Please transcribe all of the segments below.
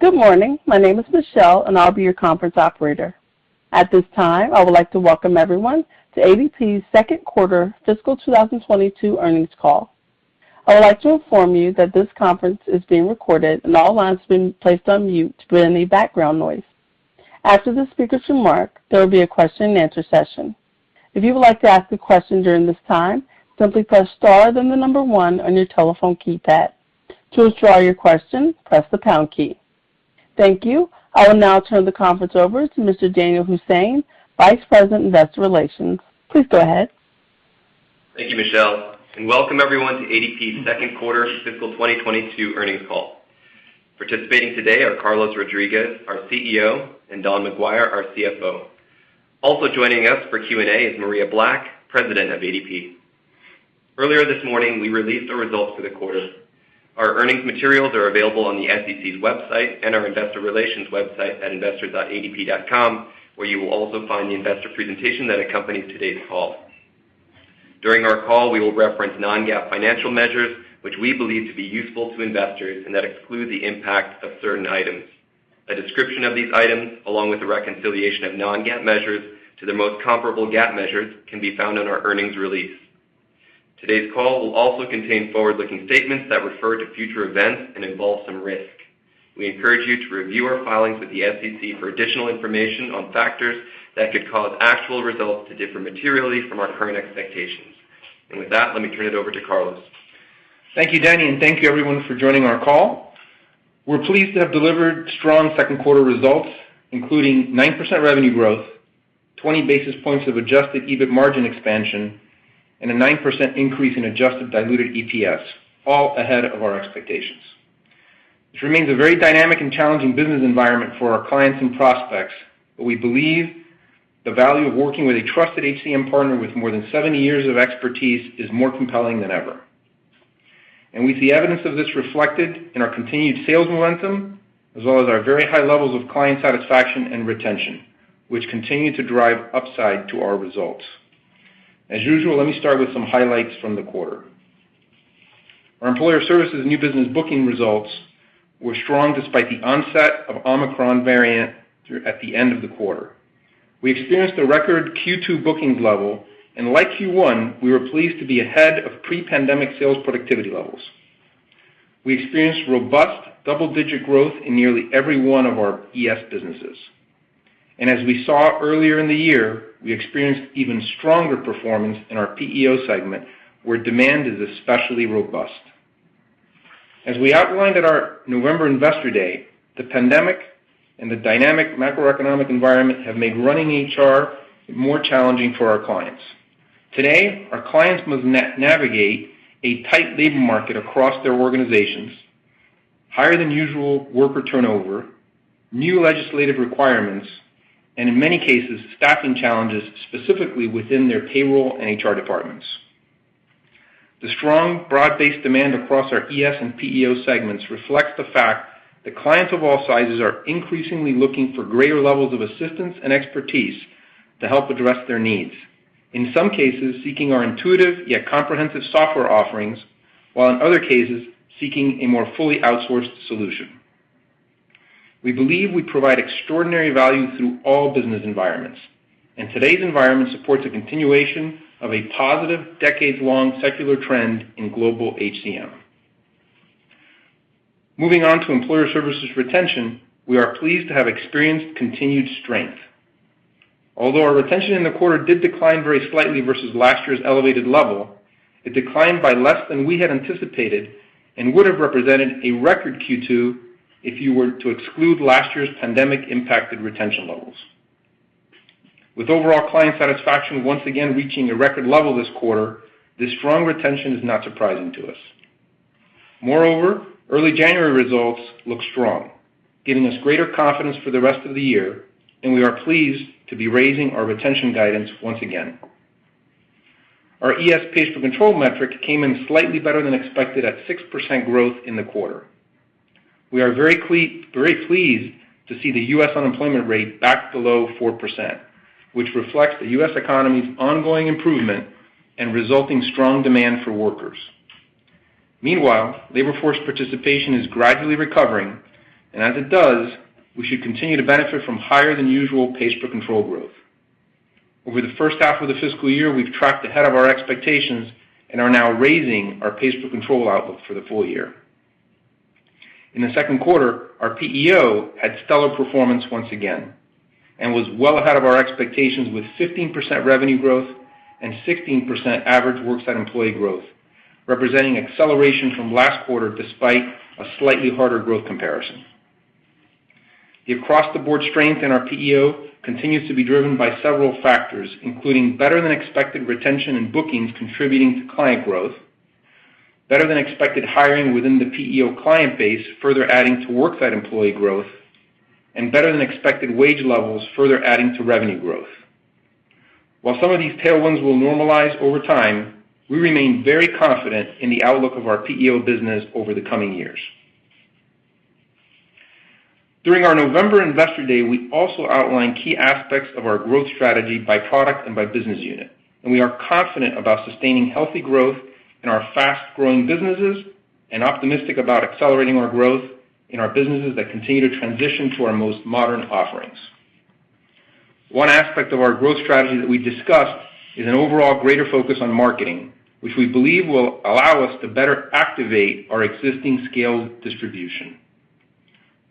Good morning. My name is Michelle, and I'll be your conference operator. At this time, I would like to welcome everyone to ADP's second quarter fiscal 2022 earnings call. I would like to inform you that this conference is being recorded and all lines have been placed on mute to prevent any background noise. After the speakers' remarks, there will be a question and answer session. If you would like to ask a question during this time, simply press star, then the number 1 on your telephone keypad. To withdraw your question, press the pound key. Thank you. I will now turn the conference over to Mr. Danyal Hussain, Vice President, Investor Relations. Please go ahead. Thank you, Michelle, and welcome everyone to ADP's second quarter fiscal 2022 earnings call. Participating today are Carlos Rodriguez, our CEO, and Don McGuire, our CFO. Also joining us for Q&A is Maria Black, President of ADP. Earlier this morning, we released our results for the quarter. Our earnings materials are available on the SEC's website and our investor relations website at investor.adp.com, where you will also find the investor presentation that accompanies today's call. During our call, we will reference non-GAAP financial measures, which we believe to be useful to investors and that exclude the impact of certain items. A description of these items, along with the reconciliation of non-GAAP measures to their most comparable GAAP measures, can be found in our earnings release. Today's call will also contain forward-looking statements that refer to future events and involve some risk. We encourage you to review our filings with the SEC for additional information on factors that could cause actual results to differ materially from our current expectations. With that, let me turn it over to Carlos. Thank you, Danny, and thank you everyone for joining our call. We're pleased to have delivered strong second quarter results, including 9% revenue growth, 20 basis points of adjusted EBIT margin expansion, and a 9% increase in adjusted diluted EPS, all ahead of our expectations. This remains a very dynamic and challenging business environment for our clients and prospects, but we believe the value of working with a trusted HCM partner with more than 70 years of expertise is more compelling than ever. We see evidence of this reflected in our continued sales momentum, as well as our very high levels of client satisfaction and retention, which continue to drive upside to our results. As usual, let me start with some highlights from the quarter. Our Employer Services new business booking results were strong despite the onset of Omicron variant at the end of the quarter. We experienced a record Q2 bookings level, and like Q1, we were pleased to be ahead of pre-pandemic sales productivity levels. We experienced robust double-digit growth in nearly every one of our ES businesses. As we saw earlier in the year, we experienced even stronger performance in our PEO segment, where demand is especially robust. As we outlined at our November investor day, the pandemic and the dynamic macroeconomic environment have made running HR more challenging for our clients. Today, our clients must navigate a tight labor market across their organizations, higher than usual worker turnover, new legislative requirements, and in many cases, staffing challenges specifically within their payroll and HR departments. The strong broad-based demand across our ES and PEO segments reflects the fact that clients of all sizes are increasingly looking for greater levels of assistance and expertise to help address their needs, in some cases, seeking our intuitive yet comprehensive software offerings, while in other cases, seeking a more fully outsourced solution. We believe we provide extraordinary value through all business environments, and today's environment supports a continuation of a positive decade-long secular trend in global HCM. Moving on to Employer Services retention, we are pleased to have experienced continued strength. Although our retention in the quarter did decline very slightly versus last year's elevated level, it declined by less than we had anticipated and would have represented a record Q2 if you were to exclude last year's pandemic-impacted retention levels. With overall client satisfaction once again reaching a record level this quarter, this strong retention is not surprising to us. Moreover, early January results look strong, giving us greater confidence for the rest of the year, and we are pleased to be raising our retention guidance once again. Our ES pace for control metric came in slightly better than expected at 6% growth in the quarter. We are very pleased to see the US unemployment rate back below 4%, which reflects the US economy's ongoing improvement and resulting strong demand for workers. Meanwhile, labor force participation is gradually recovering, and as it does, we should continue to benefit from higher than usual pace for control growth. Over the first half of the fiscal year, we've tracked ahead of our expectations and are now raising our pace for control outlook for the full-year. In the second quarter, our PEO had stellar performance once again and was well ahead of our expectations with 15% revenue growth and 16% average worksite employee growth, representing acceleration from last quarter despite a slightly harder growth comparison. The across-the-board strength in our PEO continues to be driven by several factors, including better than expected retention and bookings contributing to client growth, better than expected hiring within the PEO client base further adding to worksite employee growth, and better than expected wage levels further adding to revenue growth. While some of these tailwinds will normalize over time, we remain very confident in the outlook of our PEO business over the coming years. During our November investor day, we also outlined key aspects of our growth strategy by product and by business unit. We are confident about sustaining healthy growth in our fast-growing businesses and optimistic about accelerating our growth in our businesses that continue to transition to our most modern offerings. One aspect of our growth strategy that we discussed is an overall greater focus on marketing, which we believe will allow us to better activate our existing scaled distribution.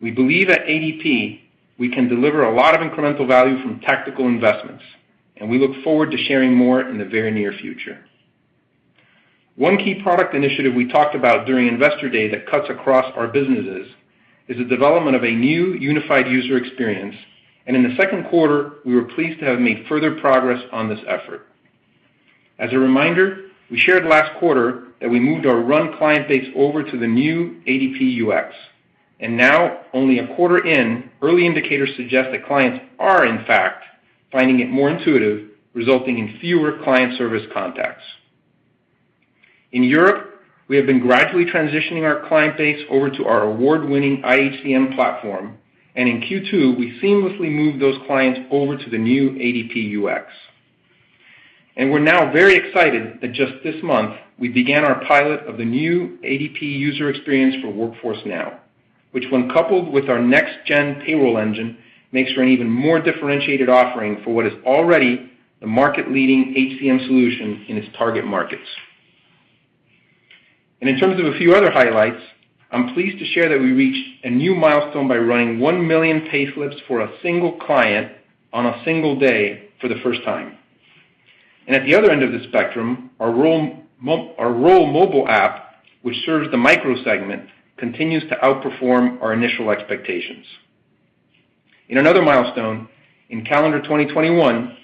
We believe at ADP, we can deliver a lot of incremental value from tactical investments, and we look forward to sharing more in the very near future. One key product initiative we talked about during Investor Day that cuts across our businesses is the development of a new unified user experience. In the second quarter, we were pleased to have made further progress on this effort. As a reminder, we shared last quarter that we moved our RUN client base over to the new ADP UX, and now only a quarter in, early indicators suggest that clients are in fact finding it more intuitive, resulting in fewer client service contacts. In Europe, we have been gradually transitioning our client base over to our award-winning iHCM platform, and in Q2, we seamlessly moved those clients over to the new ADP UX. We're now very excited that just this month, we began our pilot of the new ADP user experience for Workforce Now, which when coupled with our Next Gen Payroll engine, makes for an even more differentiated offering for what is already the market-leading HCM solution in its target markets. In terms of a few other highlights, I'm pleased to share that we reached a new milestone by running 1 million payslips for a single client on a single day for the first time. At the other end of the spectrum, our Roll mobile app, which serves the micro segment, continues to outperform our initial expectations. In another milestone, in calendar 2021,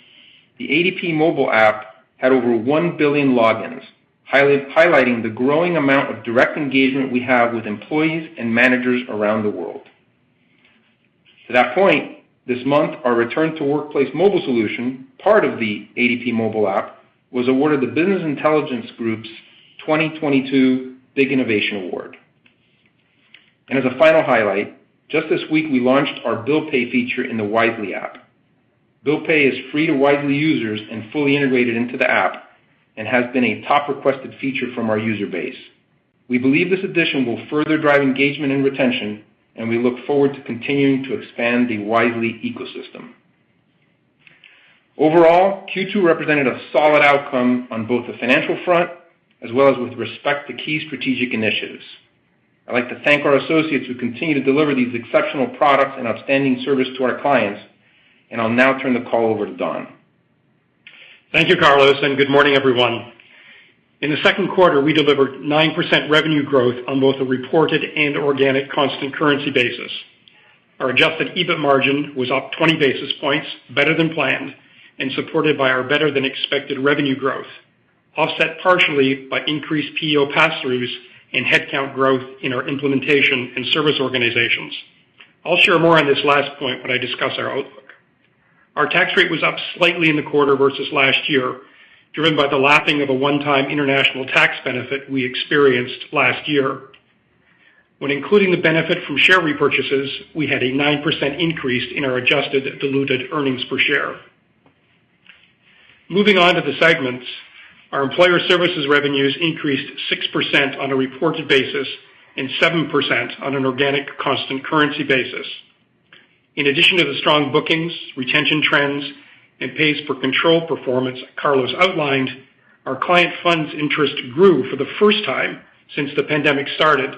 the ADP mobile app had over 1 billion logins, highlighting the growing amount of direct engagement we have with employees and managers around the world. To that point, this month, our Return to Workplace mobile solution, part of the ADP mobile app, was awarded the Business Intelligence Group's 2022 BIG Innovation Award. As a final highlight, just this week, we launched our Bill Pay feature in the Wisely app. Bill Pay is free to Wisely users and fully integrated into the app and has been a top requested feature from our user base. We believe this addition will further drive engagement and retention, and we look forward to continuing to expand the Wisely ecosystem. Overall, Q2 represented a solid outcome on both the financial front as well as with respect to key strategic initiatives. I'd like to thank our associates who continue to deliver these exceptional products and outstanding service to our clients. I'll now turn the call over to Don. Thank you, Carlos, and good morning, everyone. In the second quarter, we delivered 9% revenue growth on both a reported and organic constant currency basis. Our adjusted EBIT margin was up 20 basis points better than planned and supported by our better than expected revenue growth, offset partially by increased PEO pass-throughs and headcount growth in our implementation and service organizations. I'll share more on this last point when I discuss our outlook. Our tax rate was up slightly in the quarter versus last year, driven by the lapping of a one-time international tax benefit we experienced last year. When including the benefit from share repurchases, we had a 9% increase in our adjusted diluted earnings per share. Moving on to the segments. Our Employer Services revenues increased 6% on a reported basis and 7% on an organic constant currency basis. In addition to the strong bookings, retention trends, and pace of core performance Carlos outlined, our client funds interest grew for the first time since the pandemic started,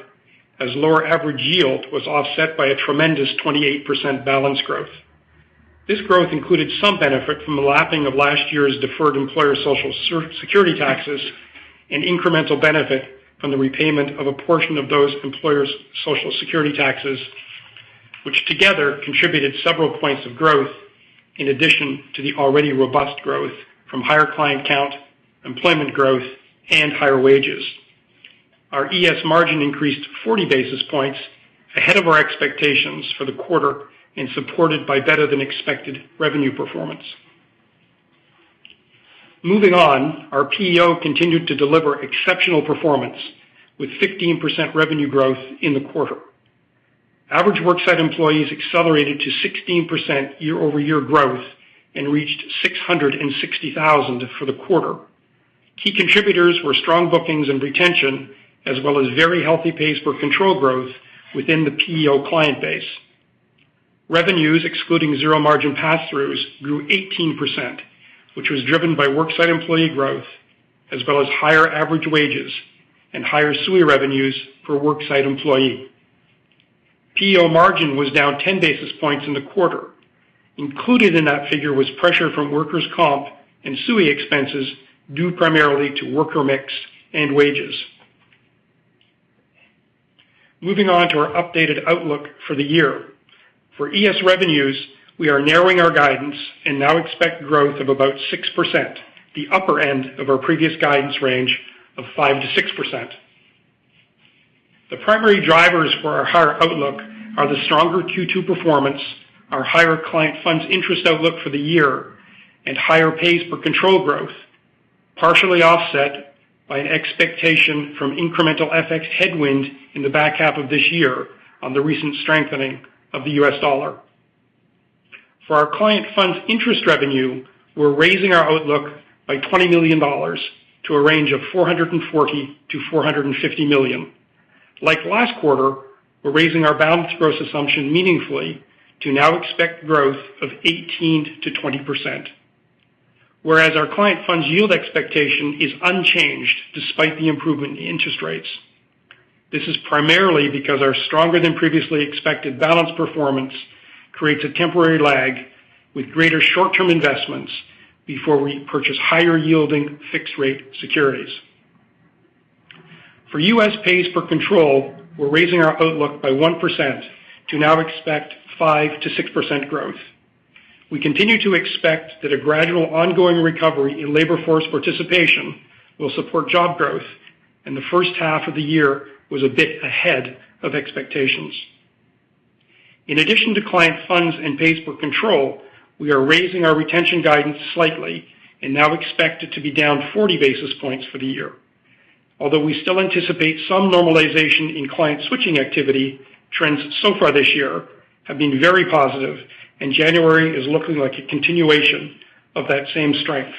as lower average yield was offset by a tremendous 28% balance growth. This growth included some benefit from the lapping of last year's deferred employer social security taxes and incremental benefit from the repayment of a portion of those employers' social security taxes, which together contributed several points of growth in addition to the already robust growth from higher client count, employment growth, and higher wages. Our ES margin increased 40 basis points ahead of our expectations for the quarter and supported by better than expected revenue performance. Moving on. Our PEO continued to deliver exceptional performance with 15% revenue growth in the quarter. Average worksite employees accelerated to 16% year-over-year growth and reached 660,000 for the quarter. Key contributors were strong bookings and retention, as well as very healthy pace for control growth within the PEO client base. Revenues, excluding zero margin pass-throughs, grew 18%, which was driven by worksite employee growth as well as higher average wages and higher SUI revenues per worksite employee. PEO margin was down 10 basis points in the quarter. Included in that figure was pressure from workers' comp and SUI expenses, due primarily to worker mix and wages. Moving on to our updated outlook for the year. For ES revenues, we are narrowing our guidance and now expect growth of about 6%, the upper end of our previous guidance range of 5%-6%. The primary drivers for our higher outlook are the stronger Q2 performance, our higher client funds interest outlook for the year, and higher pace of core growth. Partially offset by an expectation of incremental FX headwind in the back half of this year on the recent strengthening of the US dollar. For our client funds interest revenue, we're raising our outlook by $20 million to a range of $440 million-$450 million. Like last quarter, we're raising our balance growth assumption meaningfully to now expect growth of 18%-20%. Whereas our client funds yield expectation is unchanged despite the improvement in interest rates. This is primarily because our stronger than previously expected balance performance creates a temporary lag with greater short-term investments before we purchase higher yielding fixed rate securities. For US pays per control, we're raising our outlook by 1% to now expect 5%-6% growth. We continue to expect that a gradual ongoing recovery in labor force participation will support job growth, and the first half of the year was a bit ahead of expectations. In addition to client funds and pays per control, we are raising our retention guidance slightly and now expect it to be down 40 basis points for the year. Although we still anticipate some normalization in client switching activity, trends so far this year have been very positive, and January is looking like a continuation of that same strength.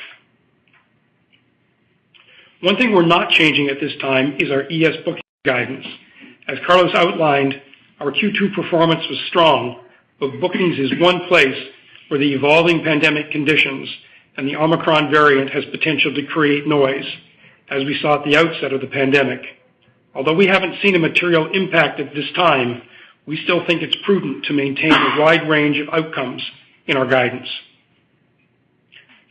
One thing we're not changing at this time is our ES booking guidance. As Carlos outlined, our Q2 performance was strong, but bookings is one place where the evolving pandemic conditions and the Omicron variant has potential to create noise, as we saw at the outset of the pandemic. Although we haven't seen a material impact at this time, we still think it's prudent to maintain a wide range of outcomes in our guidance.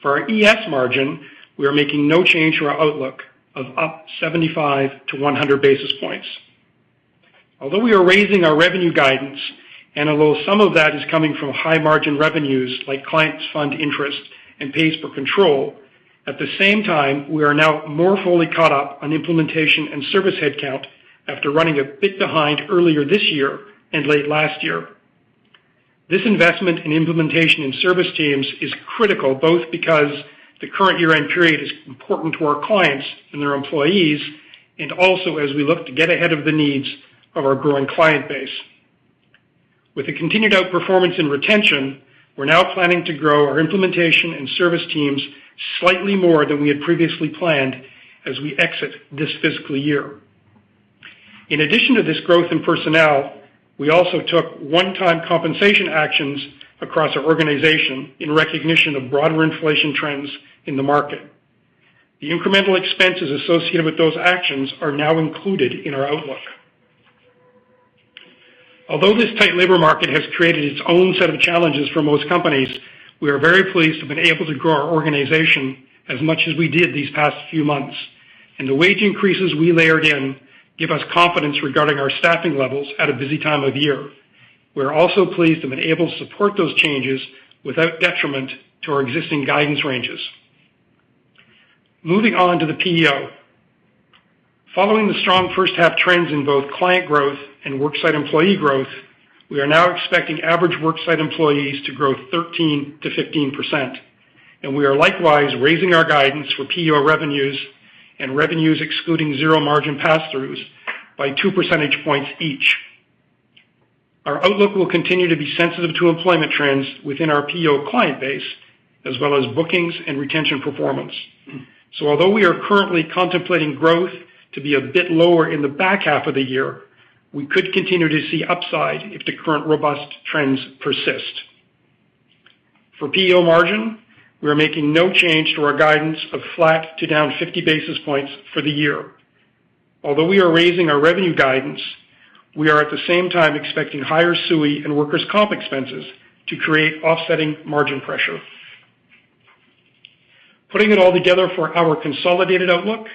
For our ES margin, we are making no change to our outlook of up 75 basis points-100 basis points. Although we are raising our revenue guidance, and although some of that is coming from high margin revenues like clients fund interest and Pays Per Control, at the same time, we are now more fully caught up on implementation and service headcount after running a bit behind earlier this year and late last year. This investment in implementation and service teams is critical, both because the current year-end period is important to our clients and their employees, and also as we look to get ahead of the needs of our growing client base. With the continued outperformance in retention, we're now planning to grow our implementation and service teams slightly more than we had previously planned as we exit this fiscal year. In addition to this growth in personnel, we also took one-time compensation actions across our organization in recognition of broader inflation trends in the market. The incremental expenses associated with those actions are now included in our outlook. Although this tight labor market has created its own set of challenges for most companies, we are very pleased to have been able to grow our organization as much as we did these past few months, and the wage increases we layered in give us confidence regarding our staffing levels at a busy time of year. We're also pleased to have been able to support those changes without detriment to our existing guidance ranges. Moving on to the PEO. Following the strong first-half trends in both client growth and worksite employee growth, we are now expecting average worksite employees to grow 13%-15%, and we are likewise raising our guidance for PEO revenues and revenues excluding zero-margin pass-throughs by 2 percentage points each. Our outlook will continue to be sensitive to employment trends within our PEO client base, as well as bookings and retention performance. Although we are currently contemplating growth to be a bit lower in the back half of the year, we could continue to see upside if the current robust trends persist. For PEO margin, we are making no change to our guidance of flat to down 50 basis points for the year. Although we are raising our revenue guidance, we are at the same time expecting higher SUI and workers' comp expenses to create offsetting margin pressure. Putting it all together for our consolidated outlook,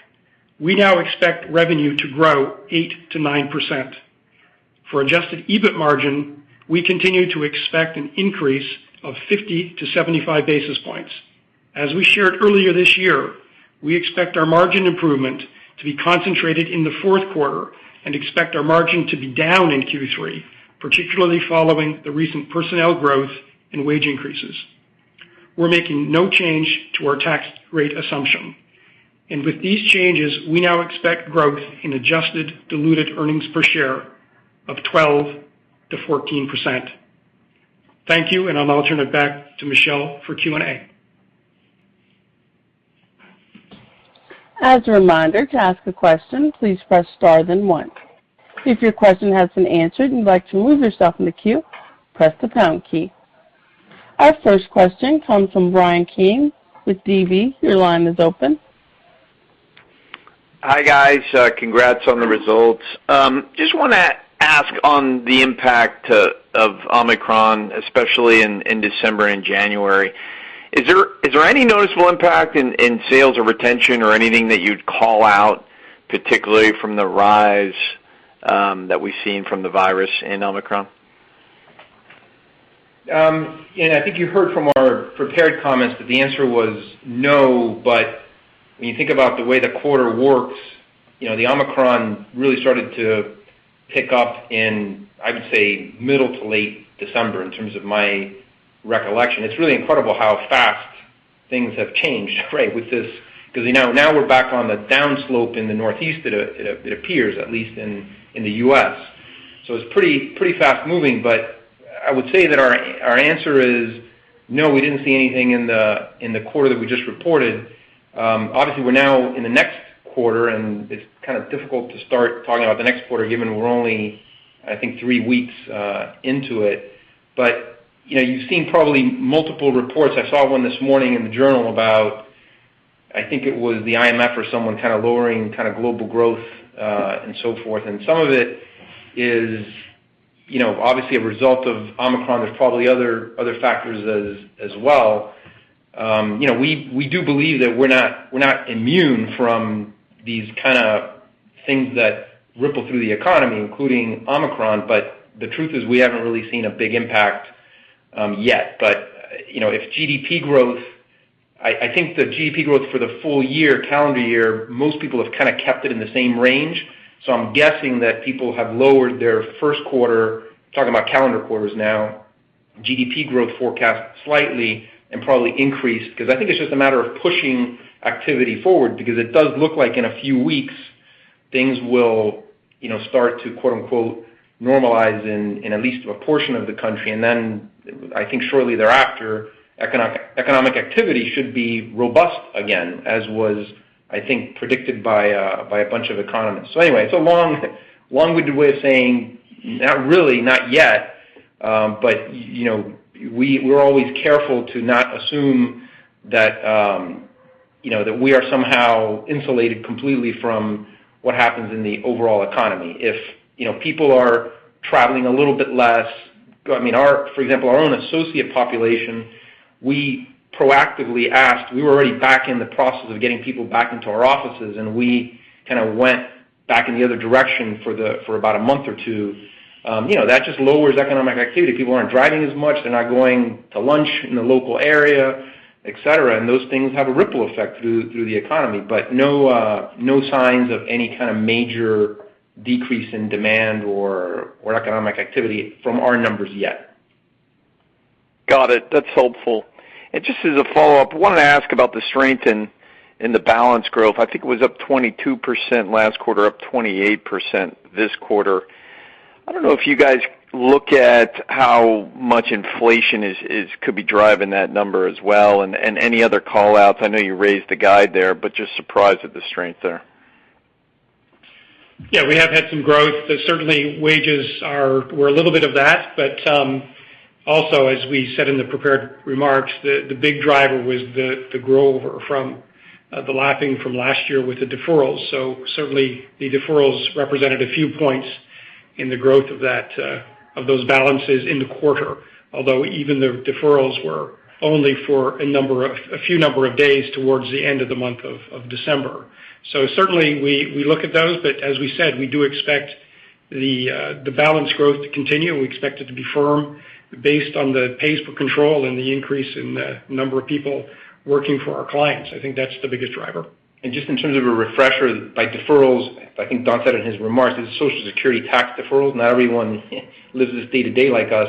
we now expect revenue to grow 8%-9%. For adjusted EBIT margin, we continue to expect an increase of 50 basis points-75 basis points. As we shared earlier this year, we expect our margin improvement to be concentrated in the fourth quarter and expect our margin to be down in Q3, particularly following the recent personnel growth and wage increases. We're making no change to our tax rate assumption. With these changes, we now expect growth in adjusted diluted earnings per share of 12%-14%. Thank you, and I'll turn it back to Michelle for Q&A. As a reminder, to ask a question, please press star then one. If your question has been answered and you'd like to remove yourself from the queue, press the pound key. Our first question comes from Bryan Keane with DB. Your line is open. Hi, guys. Congrats on the results. Just wanna ask on the impact of Omicron, especially in December and January. Is there any noticeable impact in sales or retention or anything that you'd call out, particularly from the rise that we've seen from the virus in Omicron? I think you heard from our prepared comments that the answer was no, but when you think about the way the quarter works. You know, the Omicron really started to pick up in, I would say, middle to late December in terms of my recollection. It's really incredible how fast things have changed, right, with this 'cause we now we're back on the down slope in the Northeast, it appears, at least in the US It's pretty fast-moving. I would say that our answer is no, we didn't see anything in the quarter that we just reported. Obviously, we're now in the next quarter, and it's kind of difficult to start talking about the next quarter given we're only, I think, three weeks into it. You know, you've seen probably multiple reports. I saw one this morning in the journal about, I think it was the IMF or someone kind of lowering global growth, and so forth. Some of it is, you know, obviously a result of Omicron. There's probably other factors as well. You know, we do believe that we're not immune from these kind of things that ripple through the economy, including Omicron. The truth is we haven't really seen a big impact yet. You know, I think the GDP growth for the full-year, calendar year, most people have kinda kept it in the same range, so I'm guessing that people have lowered their first quarter, talking about calendar quarters now, GDP growth forecast slightly and probably increased. 'Cause I think it's just a matter of pushing activity forward because it does look like in a few weeks, things will, you know, start to, quote-unquote, "normalize" in at least a portion of the country. I think shortly thereafter, economic activity should be robust again, as was, I think, predicted by a bunch of economists. Anyway, it's a long-winded way of saying not really, not yet. You know, we're always careful to not assume that, you know, that we are somehow insulated completely from what happens in the overall economy. If, you know, people are traveling a little bit less, I mean, for example, our own associate population, we proactively asked. We were already back in the process of getting people back into our offices, and we kinda went back in the other direction for about a month or two. You know, that just lowers economic activity. People aren't driving as much. They're not going to lunch in the local area, et cetera. Those things have a ripple effect through the economy. But no signs of any kind of major decrease in demand or economic activity from our numbers yet. Got it. That's helpful. Just as a follow-up, wanted to ask about the strength in the business growth. I think it was up 22% last quarter, up 28% this quarter. I don't know if you guys look at how much inflation is could be driving that number as well, and any other call-outs. I know you raised the guide there, but just surprised at the strength there. Yeah, we have had some growth. Certainly, wages were a little bit of that. Also, as we said in the prepared remarks, the big driver was the growth over from the lapping from last year with the deferrals. Certainly, the deferrals represented a few points in the growth of those balances in the quarter. Although even the deferrals were only for a few number of days towards the end of the month of December. Certainly we look at those, but as we said, we do expect the balance growth to continue. We expect it to be firm based on the pace of payroll and the increase in the number of people working for our clients. I think that's the biggest driver. Just in terms of a refresher, by deferrals, I think Don said in his remarks, the Social Security tax deferrals, not everyone lives this day to day like us,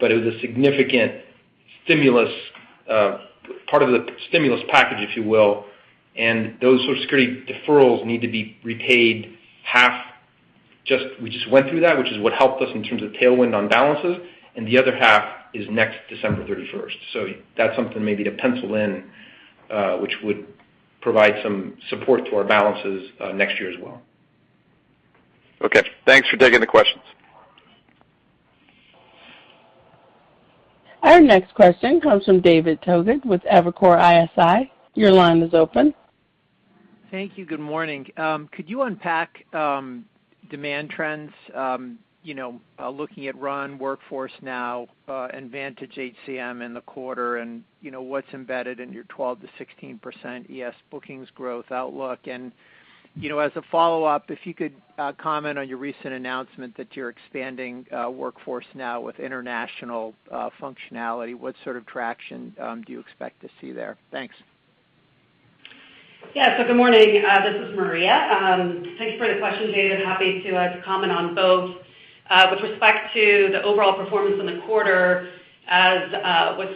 but it was a significant stimulus, part of the stimulus package, if you will. Those Social Security deferrals need to be repaid half. We just went through that, which is what helped us in terms of tailwind on balances, and the other half is next December 31st. That's something maybe to pencil in, which would provide some support to our balances, next year as well. Okay. Thanks for taking the questions. Our next question comes from David Togut with Evercore ISI. Your line is open. Thank you. Good morning. Could you unpack demand trends, you know, looking at RUN Workforce Now, and Vantage HCM in the quarter and, you know, what's embedded in your 12%-16% ES bookings growth outlook? You know, as a follow-up, if you could comment on your recent announcement that you're expanding Workforce Now with international functionality, what sort of traction do you expect to see there? Thanks. Yeah. Good morning. This is Maria. Thank you for the question, David. Happy to comment on both. With respect to the overall performance in the quarter, as was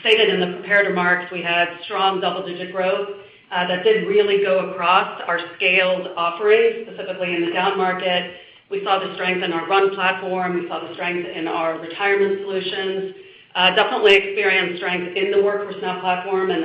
stated in the prepared remarks, we had strong double-digit growth that did really go across our scaled offerings, specifically in the downmarket. We saw the strength in our RUN platform. We saw the strength in our retirement solutions. Definitely experienced strength in the Workforce Now platform, and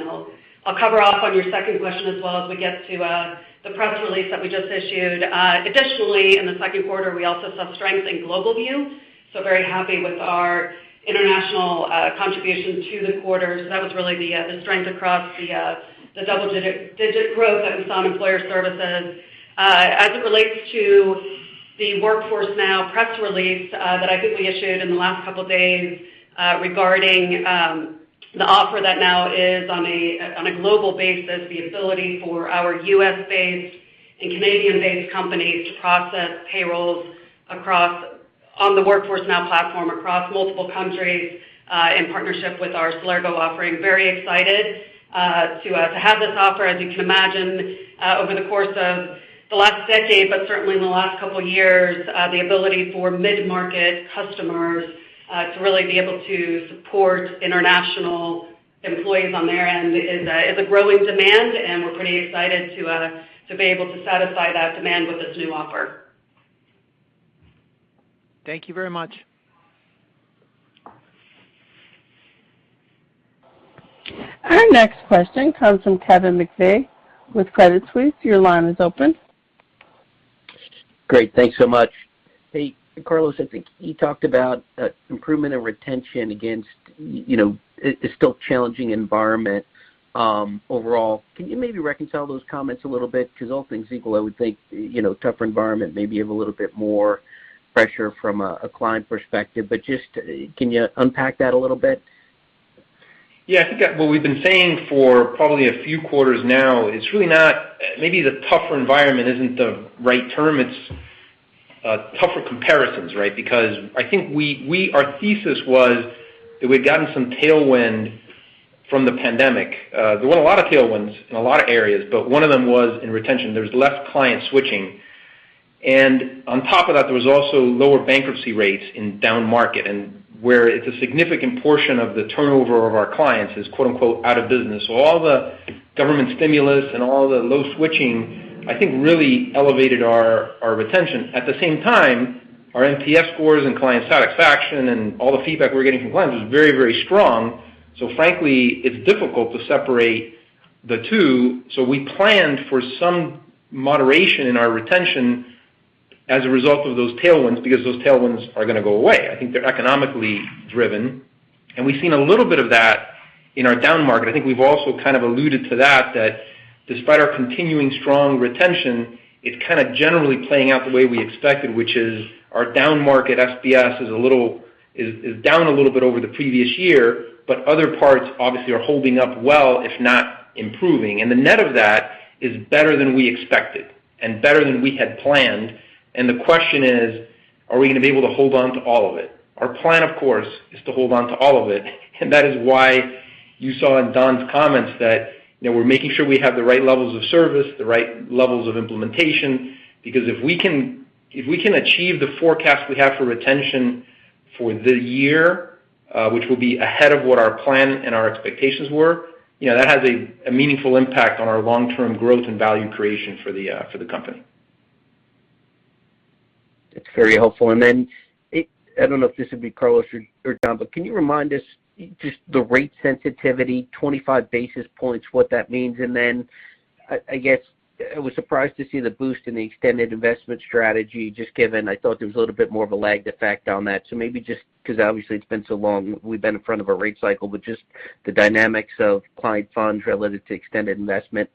I'll cover off on your second question as well as we get to the press release that we just issued. Additionally, in the second quarter, we also saw strength in GlobalView, so very happy with our international contribution to the quarter. That was really the strength across the double-digit growth that we saw in Employer Services. As it relates to the Workforce Now press release, that I think we issued in the last couple days, regarding the offer that now is on a global basis, the ability for our US-based and Canadian-based companies to process payrolls across the Workforce Now platform across multiple countries, in partnership with our Celergo offering. Very excited to have this offer. As you can imagine, over the course of the last decade, but certainly in the last couple of years, the ability for mid-market customers to really be able to support international employees on their end is a growing demand, and we're pretty excited to be able to satisfy that demand with this new offer. Thank you very much. Our next question comes from Kevin McVeigh with Credit Suisse. Your line is open. Great. Thanks so much. Hey, Carlos, I think you talked about improvement in retention against, you know, a still challenging environment overall. Can you maybe reconcile those comments a little bit? Because all things equal, I would think, you know, tougher environment maybe have a little bit more pressure from a client perspective, but just can you unpack that a little bit? Yeah, I think that what we've been saying for probably a few quarters now, it's really not. Maybe the tougher environment isn't the right term. It's tougher comparisons, right? Because I think our thesis was that we'd gotten some tailwind from the pandemic. There weren't a lot of tailwinds in a lot of areas, but one of them was in retention. There was less client switching. On top of that, there was also lower bankruptcy rates in down market and where it's a significant portion of the turnover of our clients is quote-unquote, "out of business." All the government stimulus and all the low switching, I think, really elevated our retention. At the same time, our NPS scores and client satisfaction and all the feedback we're getting from clients was very, very strong. Frankly, it's difficult to separate the two. We planned for some moderation in our retention as a result of those tailwinds because those tailwinds are gonna go away. I think they're economically driven, and we've seen a little bit of that in our down market. I think we've also kind of alluded to that despite our continuing strong retention, it's kinda generally playing out the way we expected, which is our down market SBS is down a little bit over the previous year, but other parts obviously are holding up well, if not improving. The net of that is better than we expected and better than we had planned. The question is, are we gonna be able to hold on to all of it? Our plan, of course, is to hold on to all of it, and that is why you saw in Don's comments that, you know, we're making sure we have the right levels of service, the right levels of implementation. Because if we can achieve the forecast we have for retention for the year, which will be ahead of what our plan and our expectations were, you know, that has a meaningful impact on our long-term growth and value creation for the company. That's very helpful. I don't know if this would be Carlos or Don, but can you remind us just the rate sensitivity, 25 basis points, what that means? I guess I was surprised to see the boost in the extended investment strategy, just given I thought there was a little bit more of a lag effect on that. Maybe just because obviously it's been so long, we've been in front of a rate cycle, but just the dynamics of client funds relative to extended investment.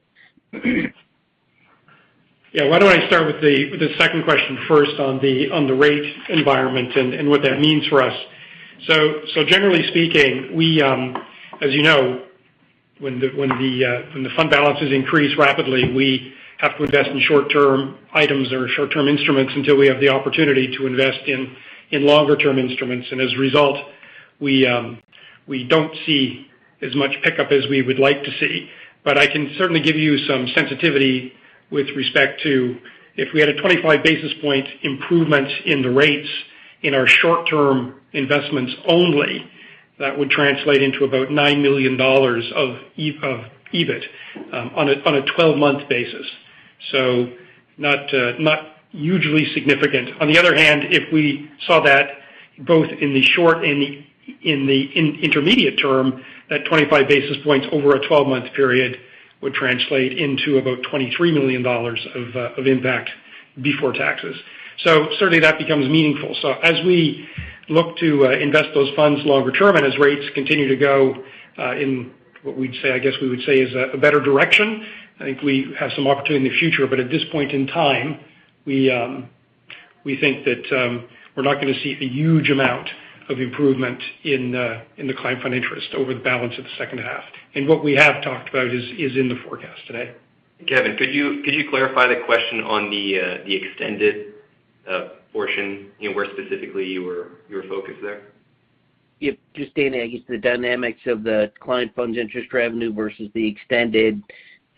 Yeah. Why don't I start with the second question first on the rate environment and what that means for us. Generally speaking, as you know, when the fund balances increase rapidly, we have to invest in short-term items or short-term instruments until we have the opportunity to invest in longer term instruments. As a result, we don't see as much pickup as we would like to see. I can certainly give you some sensitivity with respect to if we had a 25 basis point improvement in the rates in our short-term investments only, that would translate into about $9 million of EBIT on a 12 month basis. Not hugely significant. On the other hand, if we saw that both in the short and intermediate term, that 25 basis points over a 12 month period would translate into about $23 million of impact before taxes. Certainly that becomes meaningful. As we look to invest those funds longer term, and as rates continue to go in what we'd say, I guess we would say is a better direction, I think we have some opportunity in the future. But at this point in time, we think that we're not gonna see a huge amount of improvement in the client fund interest over the balance of the second half. What we have talked about is in the forecast today. Kevin, could you clarify the question on the extended portion, you know, where specifically you were focused there? Yeah. Just, I guess the dynamics of the client funds interest revenue versus the extended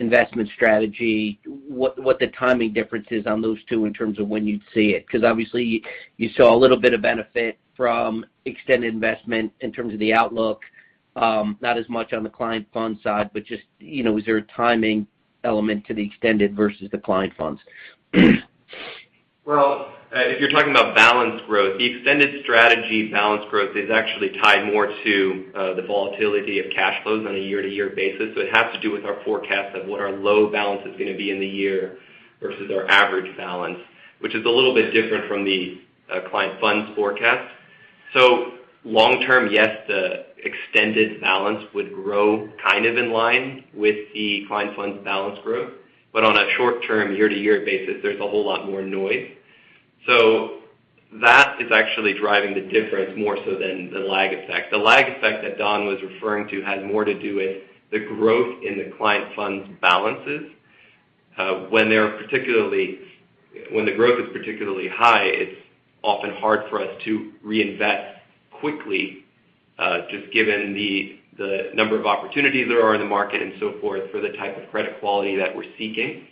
investment strategy, what the timing difference is on those two in terms of when you'd see it. Because obviously you saw a little bit of benefit from extended investment in terms of the outlook, not as much on the client funds side. But just, you know, is there a timing element to the extended versus the client funds? Well, if you're talking about balance growth, the extended strategy balance growth is actually tied more to the volatility of cash flows on a year-to-year basis. It has to do with our forecast of what our low balance is gonna be in the year versus our average balance, which is a little bit different from the client funds forecast. Long term, yes, the extended balance would grow kind of in line with the client funds balance growth. On a short term, year-to-year basis, there's a whole lot more noise. That is actually driving the difference more so than the lag effect. The lag effect that Don was referring to had more to do with the growth in the client funds balances. When the growth is particularly high, it's often hard for us to reinvest quickly, just given the number of opportunities there are in the market and so forth for the type of credit quality that we're seeking.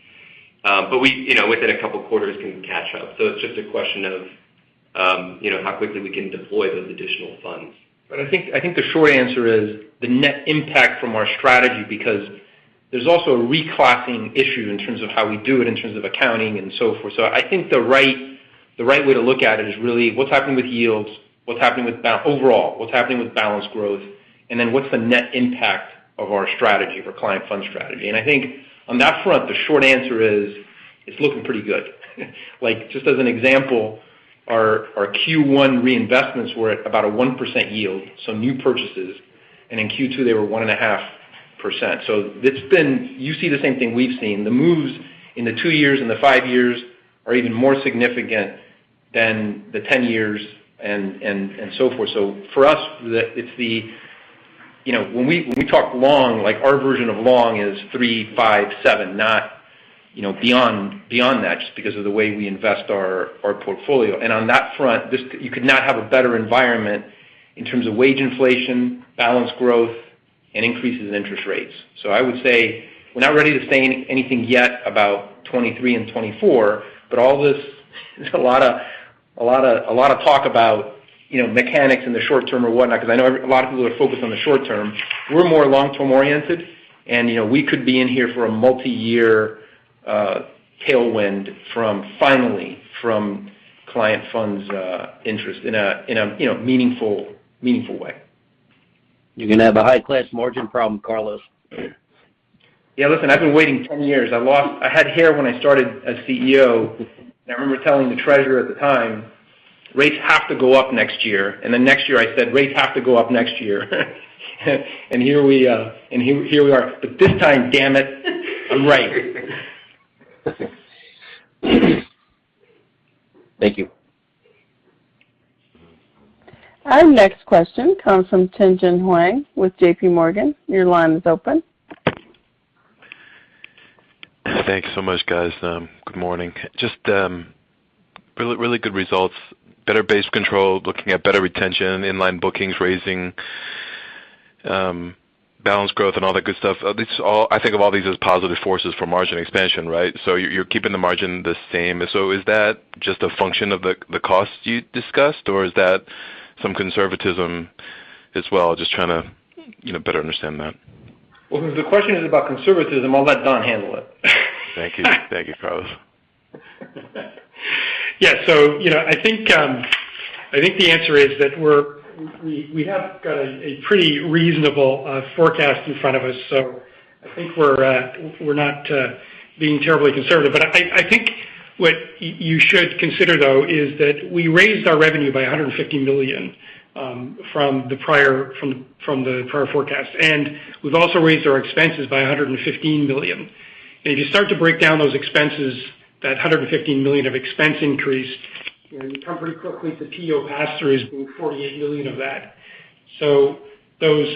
We, you know, within a couple of quarters can catch up. It's just a question of, you know, how quickly we can deploy those additional funds. I think the short answer is the net impact from our strategy because there's also a reclassing issue in terms of how we do it, in terms of accounting and so forth. I think the right way to look at it is really what's happening with yields, what's happening with balance overall, what's happening with balance growth, and then what's the net impact of our strategy, of our client fund strategy. I think on that front, the short answer is it's looking pretty good. Like, just as an example, our Q1 reinvestments were at about a 1% yield, so new purchases, and in Q2, they were 1.5%. It's been. You see the same thing we've seen. The moves in the two years and the five years are even more significant than the 10 years and so forth. For us, you know, when we talk long, like, our version of long is three, five, seven, not, you know, beyond that, just because of the way we invest our portfolio. On that front, you could not have a better environment in terms of wage inflation, balanced growth, and increases in interest rates. I would say we're not ready to say anything yet about 2023 and 2024, but all this, there's a lot of talk about, you know, mechanics in the short term or whatnot, because I know a lot of people are focused on the short term. We're more long-term oriented. You know, we could be in here for a multiyear tailwind finally from client funds, interest in a, you know, meaningful way. You're gonna have a high-class margin problem, Carlos. Yeah, listen, I've been waiting 10 years. I had hair when I started as CEO. I remember telling the treasurer at the time, "Rates have to go up next year." The next year, I said, "Rates have to go up next year." Here we are. This time, damn it, I'm right. Thank you. Our next question comes from Tien-tsin Huang with JPMorgan. Your line is open. Thanks so much, guys. Good morning. Just really good results, better base control, looking at better retention, inline bookings, raising balance growth and all that good stuff. These all, I think of all these as positive forces for margin expansion, right? You're keeping the margin the same. Is that just a function of the costs you discussed, or is that some conservatism as well? Just trying to, you know, better understand that. Well, if the question is about conservatism, I'll let Don handle it. Thank you. Thank you, Carlos. Yeah. You know, I think the answer is that we have got a pretty reasonable forecast in front of us. I think we're not being terribly conservative. I think what you should consider, though, is that we raised our revenue by $150 million from the prior forecast. We've also raised our expenses by $115 million. If you start to break down those expenses, that $115 million of expense increase, and you come pretty quickly to PEO pass-throughs being $48 million of that. Those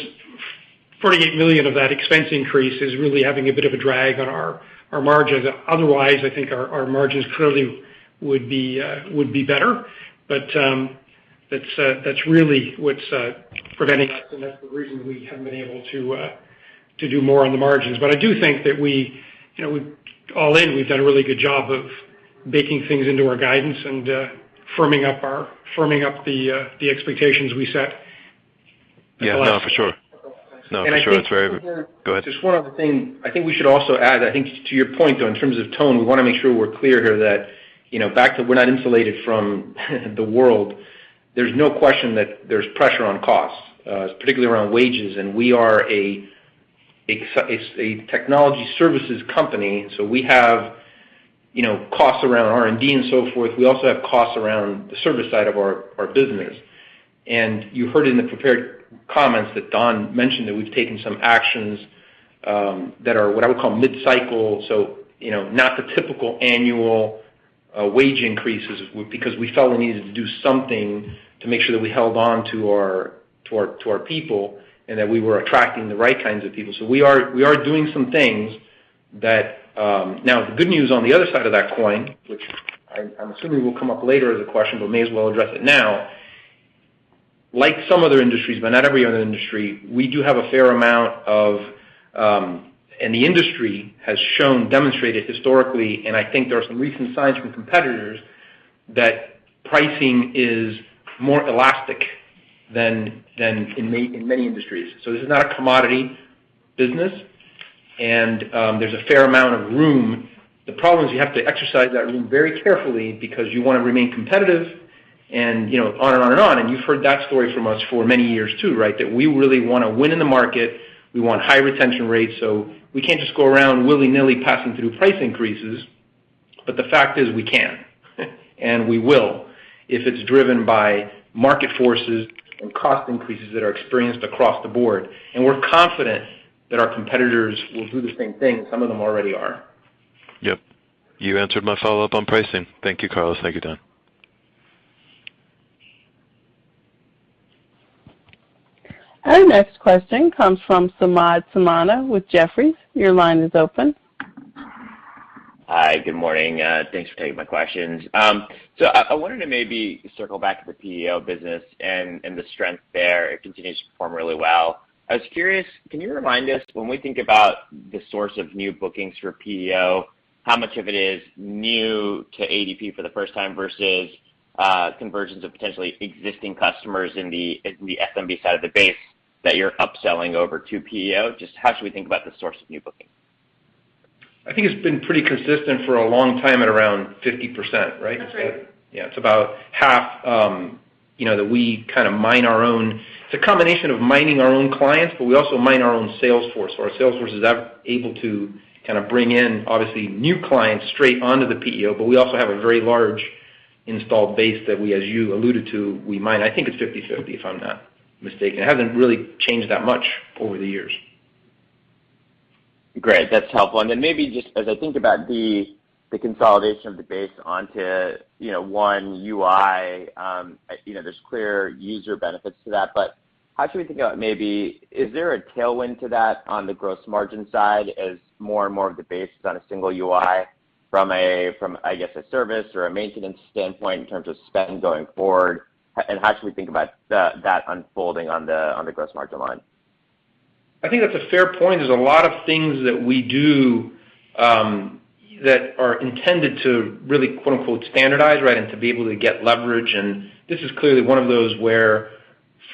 $48 million of that expense increase is really having a bit of a drag on our margins. Otherwise, I think our margins clearly would be better. That's really what's preventing us, and that's the reason we haven't been able to do more on the margins. I do think that we, you know, all in, we've done a really good job of baking things into our guidance and firming up the expectations we set. Yeah. No, for sure. It's very I think. Go ahead. Just one other thing. I think we should also add, I think to your point, though, in terms of tone, we want to make sure we're clear here that, you know, back to, we're not insulated from the world. There's no question that there's pressure on costs, particularly around wages. We are a technology services company, so we have, you know, costs around R&D and so forth. We also have costs around the service side of our business. You heard in the prepared comments that Don mentioned that we've taken some actions that are what I would call mid-cycle. You know, not the typical annual wage increases because we felt we needed to do something to make sure that we held on to our people and that we were attracting the right kinds of people. We are doing some things that. Now, the good news on the other side of that coin, which I'm assuming will come up later as a question, but may as well address it now. Like some other industries, but not every other industry, we do have a fair amount of. The industry has shown, demonstrated historically, and I think there are some recent signs from competitors that pricing is more elastic than in many industries. This is not a commodity business, and there's a fair amount of room. The problem is you have to exercise that room very carefully because you wanna remain competitive and, you know, on and on and on. You've heard that story from us for many years, too, right? That we really wanna win in the market. We want high retention rates. We can't just go around willy-nilly passing through price increases. The fact is we can, and we will if it's driven by market forces and cost increases that are experienced across the board. We're confident that our competitors will do the same thing. Some of them already are. Yep. You answered my follow-up on pricing. Thank you, Carlos. Thank you, Don. Our next question comes from Samad Samana with Jefferies. Your line is open. Hi, good morning. Thanks for taking my questions. So I wanted to maybe circle back to the PEO business and the strength there. It continues to perform really well. I was curious, can you remind us when we think about the source of new bookings for PEO, how much of it is new to ADP for the first time versus conversions of potentially existing customers in the SMB side of the base that you're upselling over to PEO? Just how should we think about the source of new bookings? I think it's been pretty consistent for a long time at around 50%, right? That's right. Yeah. It's about half, you know. It's a combination of mining our own clients, but we also mine our own sales force, or our sales force is able to kind of bring in, obviously, new clients straight onto the PEO, but we also have a very large installed base that we, as you alluded to, we mine. I think it's 50/50, if I'm not mistaken. It hasn't really changed that much over the years. Great. That's helpful. Maybe just as I think about the consolidation of the base onto, you know, one UI, you know, there's clear user benefits to that, but how should we think about maybe is there a tailwind to that on the gross margin side as more and more of the base is on a single UI from a, I guess, a service or a maintenance standpoint in terms of spend going forward? And how should we think about that unfolding on the gross margin line? I think that's a fair point. There's a lot of things that we do that are intended to really, quote-unquote, standardize, right? To be able to get leverage. This is clearly one of those where,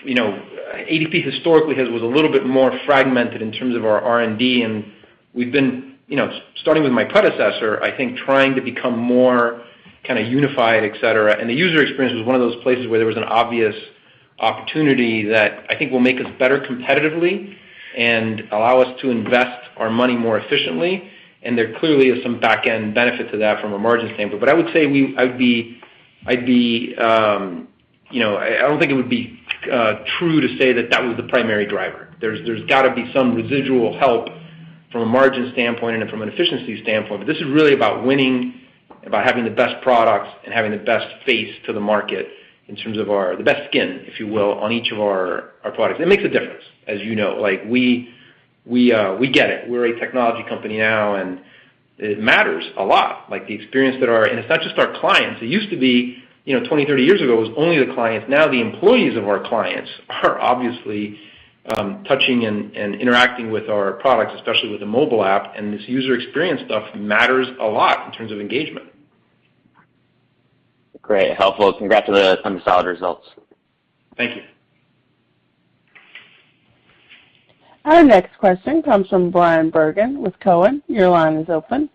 you know, ADP historically was a little bit more fragmented in terms of our R&D, and we've been, you know, starting with my predecessor, I think, trying to become more kind of unified, et cetera. The user experience was one of those places where there was an obvious opportunity that I think will make us better competitively and allow us to invest our money more efficiently. There clearly is some back-end benefit to that from a margin standpoint. I would say I'd be, you know, I don't think it would be true to say that that was the primary driver. There's got to be some residual help from a margin standpoint and from an efficiency standpoint, but this is really about winning, about having the best products and having the best face to the market in terms of our, the best skin, if you will, on each of our products. It makes a difference, as you know. Like, we get it. We're a technology company now, and it matters a lot. Like, the experience that our. It's not just our clients. It used to be, you know, 20, 30 years ago, it was only the clients. Now, the employees of our clients are obviously touching and interacting with our products, especially with the mobile app, and this user experience stuff matters a lot in terms of engagement. Great. Helpful. Congrats on the solid results. Thank you. Our next question comes from Bryan Bergin with Cowen. Your line is open.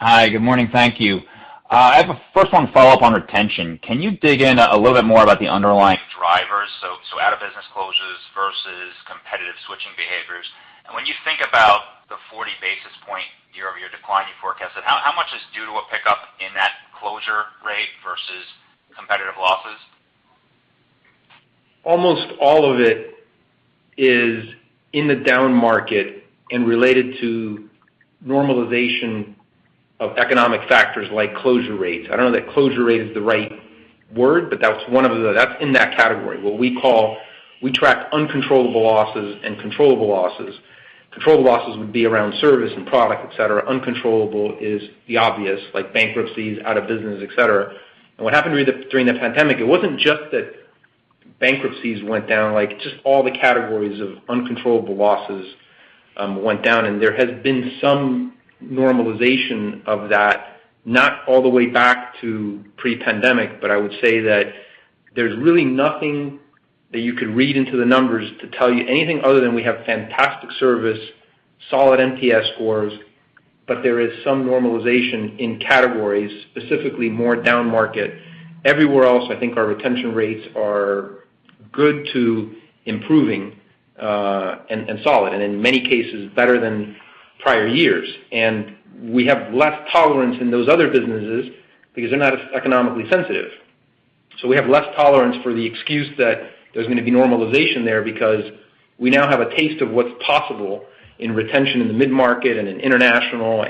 Hi. Good morning. Thank you. I have a first one follow-up on retention. Can you dig in a little bit more about the underlying drivers, so out-of-business closures versus competitive switching behaviors? When you think about the 40 basis point year-over-year decline you forecasted, how much is due to a pickup in that closure rate versus competitive losses? Almost all of it is in the down market and related to normalization of economic factors like closure rates. I don't know that closure rate is the right word, but that's in that category, what we call. We track uncontrollable losses and controllable losses. Controllable losses would be around service and product, et cetera. Uncontrollable is the obvious, like bankruptcies, out of business, et cetera. What happened during the pandemic, it wasn't just that bankruptcies went down, like, just all the categories of uncontrollable losses, went down. There has been some normalization of that, not all the way back to pre-pandemic, but I would say that there's really nothing that you could read into the numbers to tell you anything other than we have fantastic service, solid NPS scores, but there is some normalization in categories, specifically more down market. Everywhere else, I think our retention rates are good to improving, and solid, and in many cases better than prior years. We have less tolerance in those other businesses because they're not as economically sensitive. We have less tolerance for the excuse that there's going to be normalization there because we now have a taste of what's possible in retention in the mid-market and in international,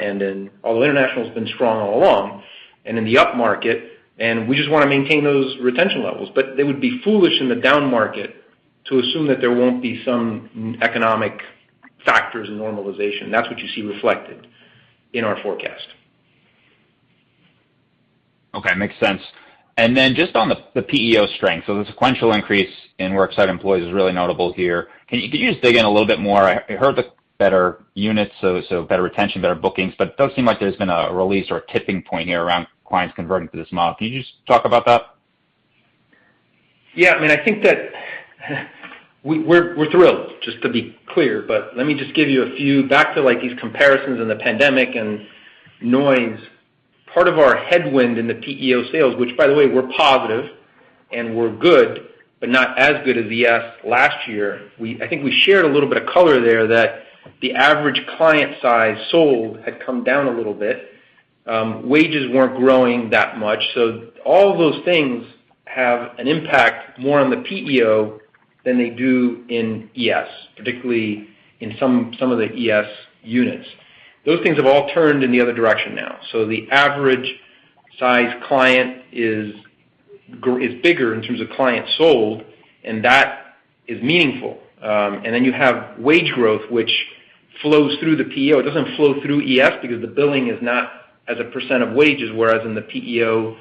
although international's been strong all along, and in the upmarket, and we just want to maintain those retention levels. It would be foolish in the down market to assume that there won't be some economic factors in normalization. That's what you see reflected in our forecast. Okay. Makes sense. Just on the PEO strength. The sequential increase in worksite employees is really notable here. Could you just dig in a little bit more? I heard the better units, so better retention, better bookings, but it does seem like there's been a release or a tipping point here around clients converting to this model. Can you just talk about that? Yeah. I mean, I think that we're thrilled, just to be clear, but let me just give you a few points on these comparisons in the pandemic and noise. Part of our headwind in the PEO sales, which by the way, were positive and were good, but not as good as ES last year. I think we shared a little bit of color there that the average client size sold had come down a little bit. Wages weren't growing that much. All of those things have an impact more on the PEO than they do in ES, particularly in some of the ES units. Those things have all turned in the other direction now. The average-size client is bigger in terms of clients sold, and that is meaningful. Then you have wage growth, which flows through the PEO. It doesn't flow through ES because the billing is not as a percent of wages, whereas in the PEO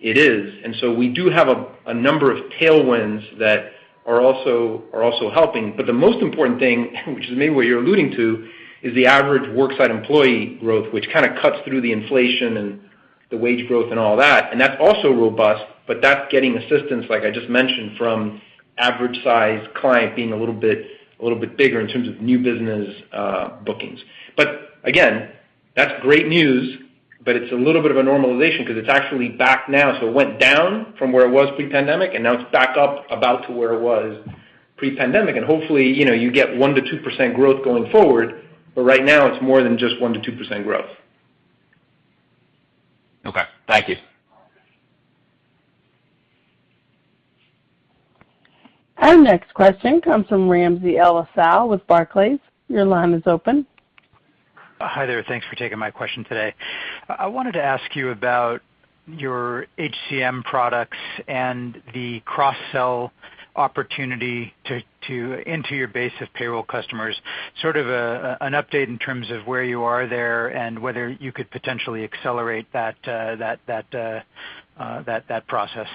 it is. We do have a number of tailwinds that are also helping. The most important thing, which is maybe what you're alluding to, is the average worksite employee growth, which kind of cuts through the inflation and the wage growth and all that. That's also robust, but that's getting assistance, like I just mentioned, from average size client being a little bit bigger in terms of new business bookings. That's great news, but it's a little bit of a normalization 'cause it's actually back now. It went down from where it was pre-pandemic, and now it's back up about to where it was pre-pandemic. Hopefully, you know, you get 1%-2% growth going forward. Right now it's more than just 1%-2% growth. Okay. Thank you. Our next question comes from Ramsey El-Assal with Barclays. Your line is open. Hi there. Thanks for taking my question today. I wanted to ask you about your HCM products and the cross-sell opportunity into your base of payroll customers, sort of an update in terms of where you are there and whether you could potentially accelerate that process.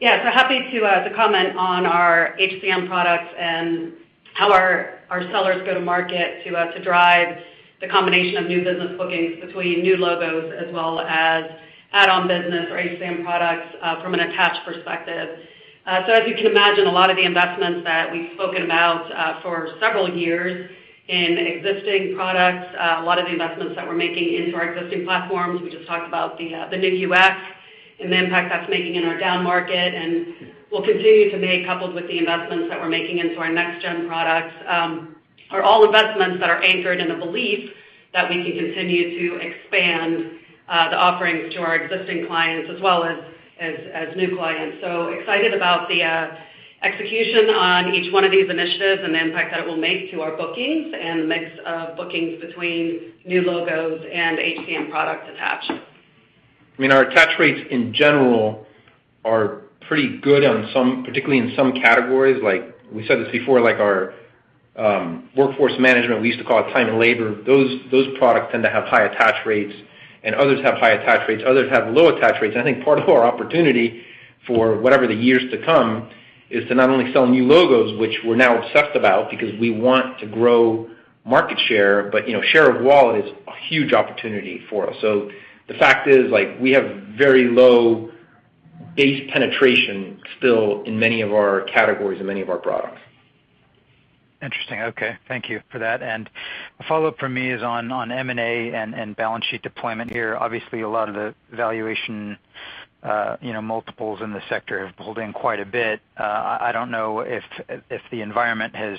Yeah. Happy to comment on our HCM products and how our sellers go to market to drive the combination of new business bookings between new logos as well as add-on business or HCM products from an attach perspective. As you can imagine, a lot of the investments that we've spoken about for several years in existing products, a lot of the investments that we're making into our existing platforms, we just talked about the new UX and the impact that's making in our down market, and we'll continue to make, coupled with the investments that we're making into our next gen products, are all investments that are anchored in a belief that we can continue to expand the offerings to our existing clients as well as new clients. Excited about the execution on each one of these initiatives and the impact that it will make to our bookings and the mix of bookings between new logos and HCM products attached. I mean, our attach rates in general are pretty good on some, particularly in some categories. Like we said this before, like our, workforce management, we used to call it time and labor. Those products tend to have high attach rates, and others have high attach rates, others have low attach rates. I think part of our opportunity for whatever the years to come is to not only sell new logos, which we're now obsessed about because we want to grow market share, but, you know, share of wallet is a huge opportunity for us. The fact is, like, we have very low base penetration still in many of our categories and many of our products. Interesting. Okay. Thank you for that. A follow-up from me is on M&A and balance sheet deployment here. Obviously, a lot of the valuation, you know, multiples in the sector have pulled in quite a bit. I don't know if the environment has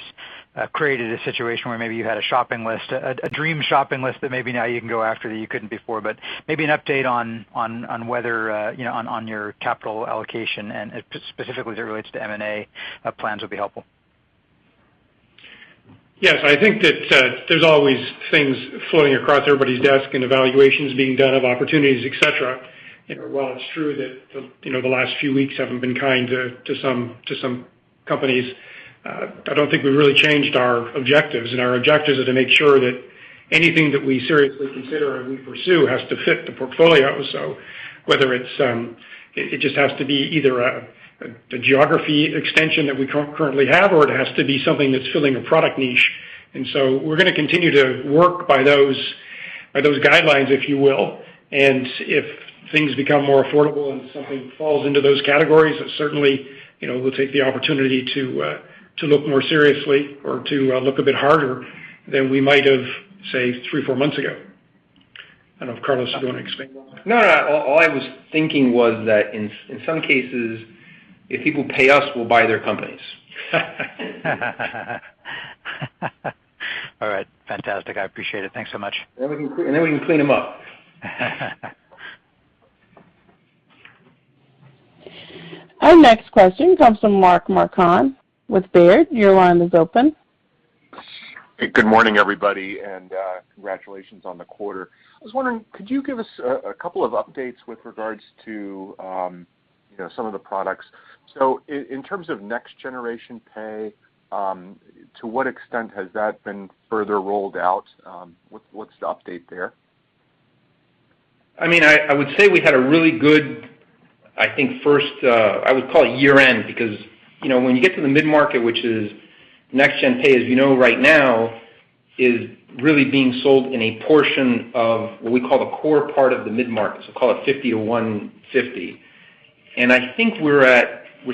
created a situation where maybe you had a shopping list, a dream shopping list that maybe now you can go after that you couldn't before. Maybe an update on whether, you know, on your capital allocation and specifically as it relates to M&A plans would be helpful. Yes. I think that there's always things floating across everybody's desk and evaluations being done of opportunities, et cetera. While it's true that you know, the last few weeks haven't been kind to some companies, I don't think we've really changed our objectives. Our objectives are to make sure that anything that we seriously consider and we pursue has to fit the portfolio. Whether it's, it just has to be either a geography extension that we don't currently have, or it has to be something that's filling a product niche. We're gonna continue to work by those guidelines, if you will. If things become more affordable and something falls into those categories, certainly, you know, we'll take the opportunity to look more seriously or to look a bit harder than we might have, say, three, four months ago. I don't know if Carlos is going to expand on that. No, no. All I was thinking was that in some cases, if people pay us, we'll buy their companies. All right. Fantastic. I appreciate it. Thanks so much. We can clean them up. Our next question comes from Mark Marcon with Baird. Your line is open. Good morning, everybody, and congratulations on the quarter. I was wondering, could you give us a couple of updates with regards to, you know, some of the products? In terms of Next Gen Payroll, to what extent has that been further rolled out? What's the update there? I mean, I would say we had a really good, I think first, I would call it year-end, because, you know, when you get to the mid-market, which is Next Gen Payroll, as you know right now, is really being sold in a portion of what we call the core part of the mid-market, so call it 50-150. I think we're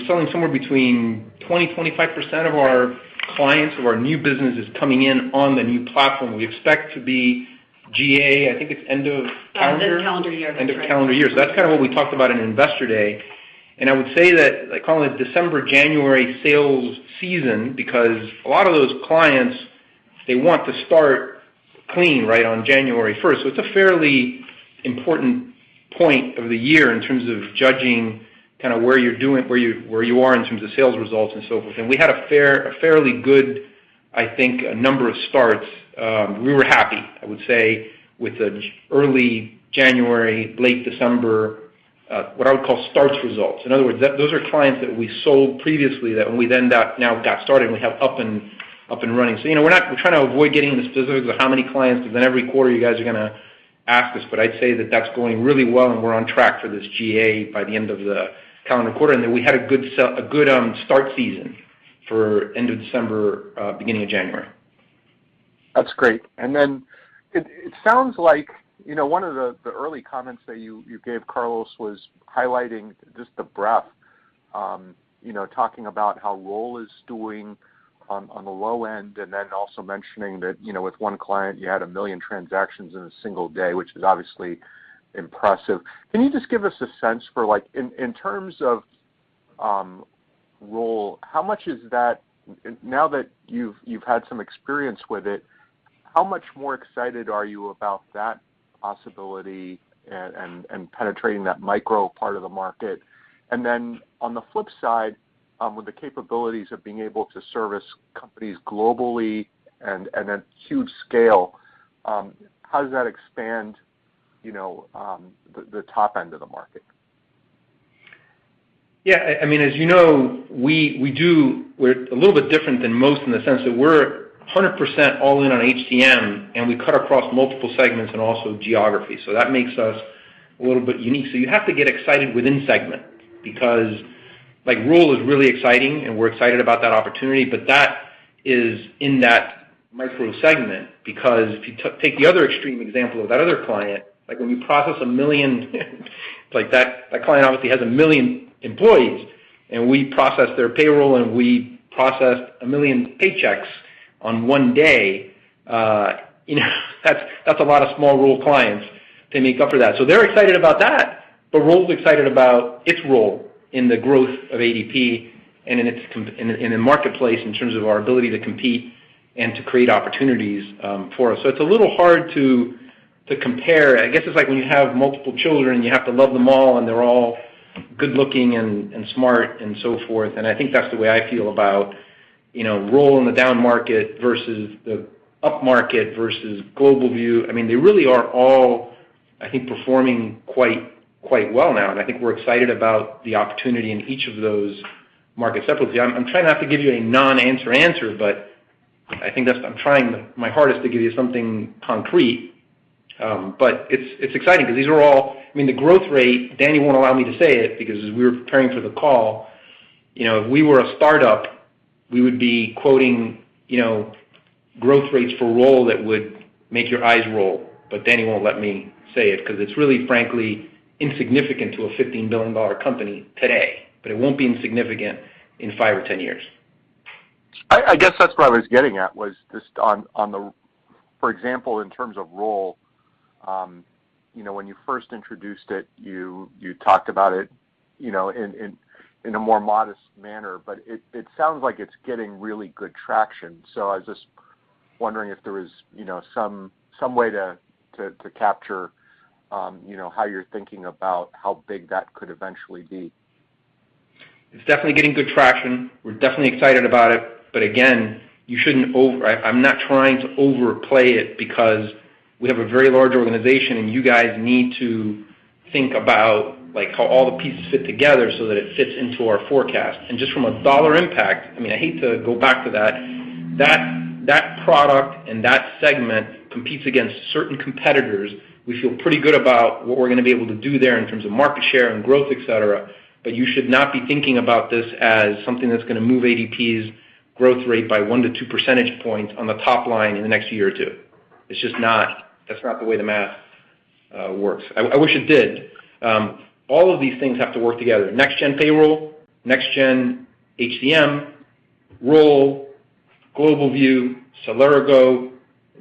selling somewhere between 20%-25% of our clients or our new business is coming in on the new platform. We expect to be GA, I think it's end of calendar year. Yeah, the calendar year. That's right. End of calendar year. That's kind of what we talked about in Investor Day. I would say that I call it December, January sales season, because a lot of those clients, they want to start clean, right, on January first. It's a fairly important point of the year in terms of judging kind of where you are in terms of sales results and so forth. We had a fairly good, I think, number of starts. We were happy, I would say, with the early January, late December what I would call starts results. In other words, those are clients that we sold previously that we then got started, and we have up and running. You know, we're trying to avoid getting the specifics of how many clients, because then every quarter you guys are gonna ask us. I'd say that that's going really well, and we're on track for this GA by the end of the calendar quarter, and that we had a good start season for end of December, beginning of January. That's great. It sounds like, you know, one of the early comments that you gave, Carlos, was highlighting just the breadth, you know, talking about how Roll is doing on the low end, and then also mentioning that, you know, with one client, you had 1 million transactions in a single day, which is obviously impressive. Can you just give us a sense for like, in terms of Roll, now that you've had some experience with it, how much more excited are you about that possibility and penetrating that micro part of the market? On the flip side, with the capabilities of being able to service companies globally and at huge scale, how does that expand, you know, the top end of the market? Yeah. I mean, as you know, we are a little bit different than most in the sense that we are 100% all in on HCM, and we cut across multiple segments and also geography. That makes us a little bit unique. You have to get excited within segment because, like, Roll is really exciting, and we are excited about that opportunity, but that is in that micro segment. Because if you to take the other extreme example of that other client, like when we process 1 million, like that client obviously has 1 million employees, and we process their payroll, and we process 1 million paychecks on one day, you know, that is a lot of small Roll clients to make up for that. They're excited about that, but Roll's excited about its role in the growth of ADP and in the marketplace in terms of our ability to compete and to create opportunities for us. It's a little hard to compare. I guess it's like when you have multiple children, you have to love them all, and they're all good looking and smart and so forth. I think that's the way I feel about, you know, Roll in the down market versus the up market versus GlobalView. I mean, they really are all, I think, performing quite well now. I think we're excited about the opportunity in each of those markets separately. I'm trying not to give you a non-answer answer, but I think that's. I'm trying my hardest to give you something concrete. It's exciting 'cause these are all I mean, the growth rate, Danny won't allow me to say it because as we were preparing for the call, you know, if we were a startup, we would be quoting, you know, growth rates for Roll that would make your eyes roll. Danny won't let me say it, 'cause it's really frankly insignificant to a $15 billion company today. It won't be insignificant in five or 10 years. I guess that's what I was getting at was just on the, for example, in terms of Roll, you know, when you first introduced it, you talked about it, you know, in a more modest manner, but it sounds like it's getting really good traction. I was just wondering if there was, you know, some way to capture how you're thinking about how big that could eventually be. It's definitely getting good traction. We're definitely excited about it. Again, you shouldn't. I'm not trying to overplay it because we have a very large organization, and you guys need to think about, like, how all the pieces fit together so that it fits into our forecast. Just from a dollar impact, I mean, I hate to go back to that product and that segment competes against certain competitors. We feel pretty good about what we're gonna be able to do there in terms of market share and growth, et cetera. You should not be thinking about this as something that's gonna move ADP's growth rate by 1-2 percentage points on the top line in the next year or two. It's just not, that's not the way the math works. I wish it did. All of these things have to work together. Next Gen Payroll, Next Gen HCM, Roll, GlobalView, Celergo.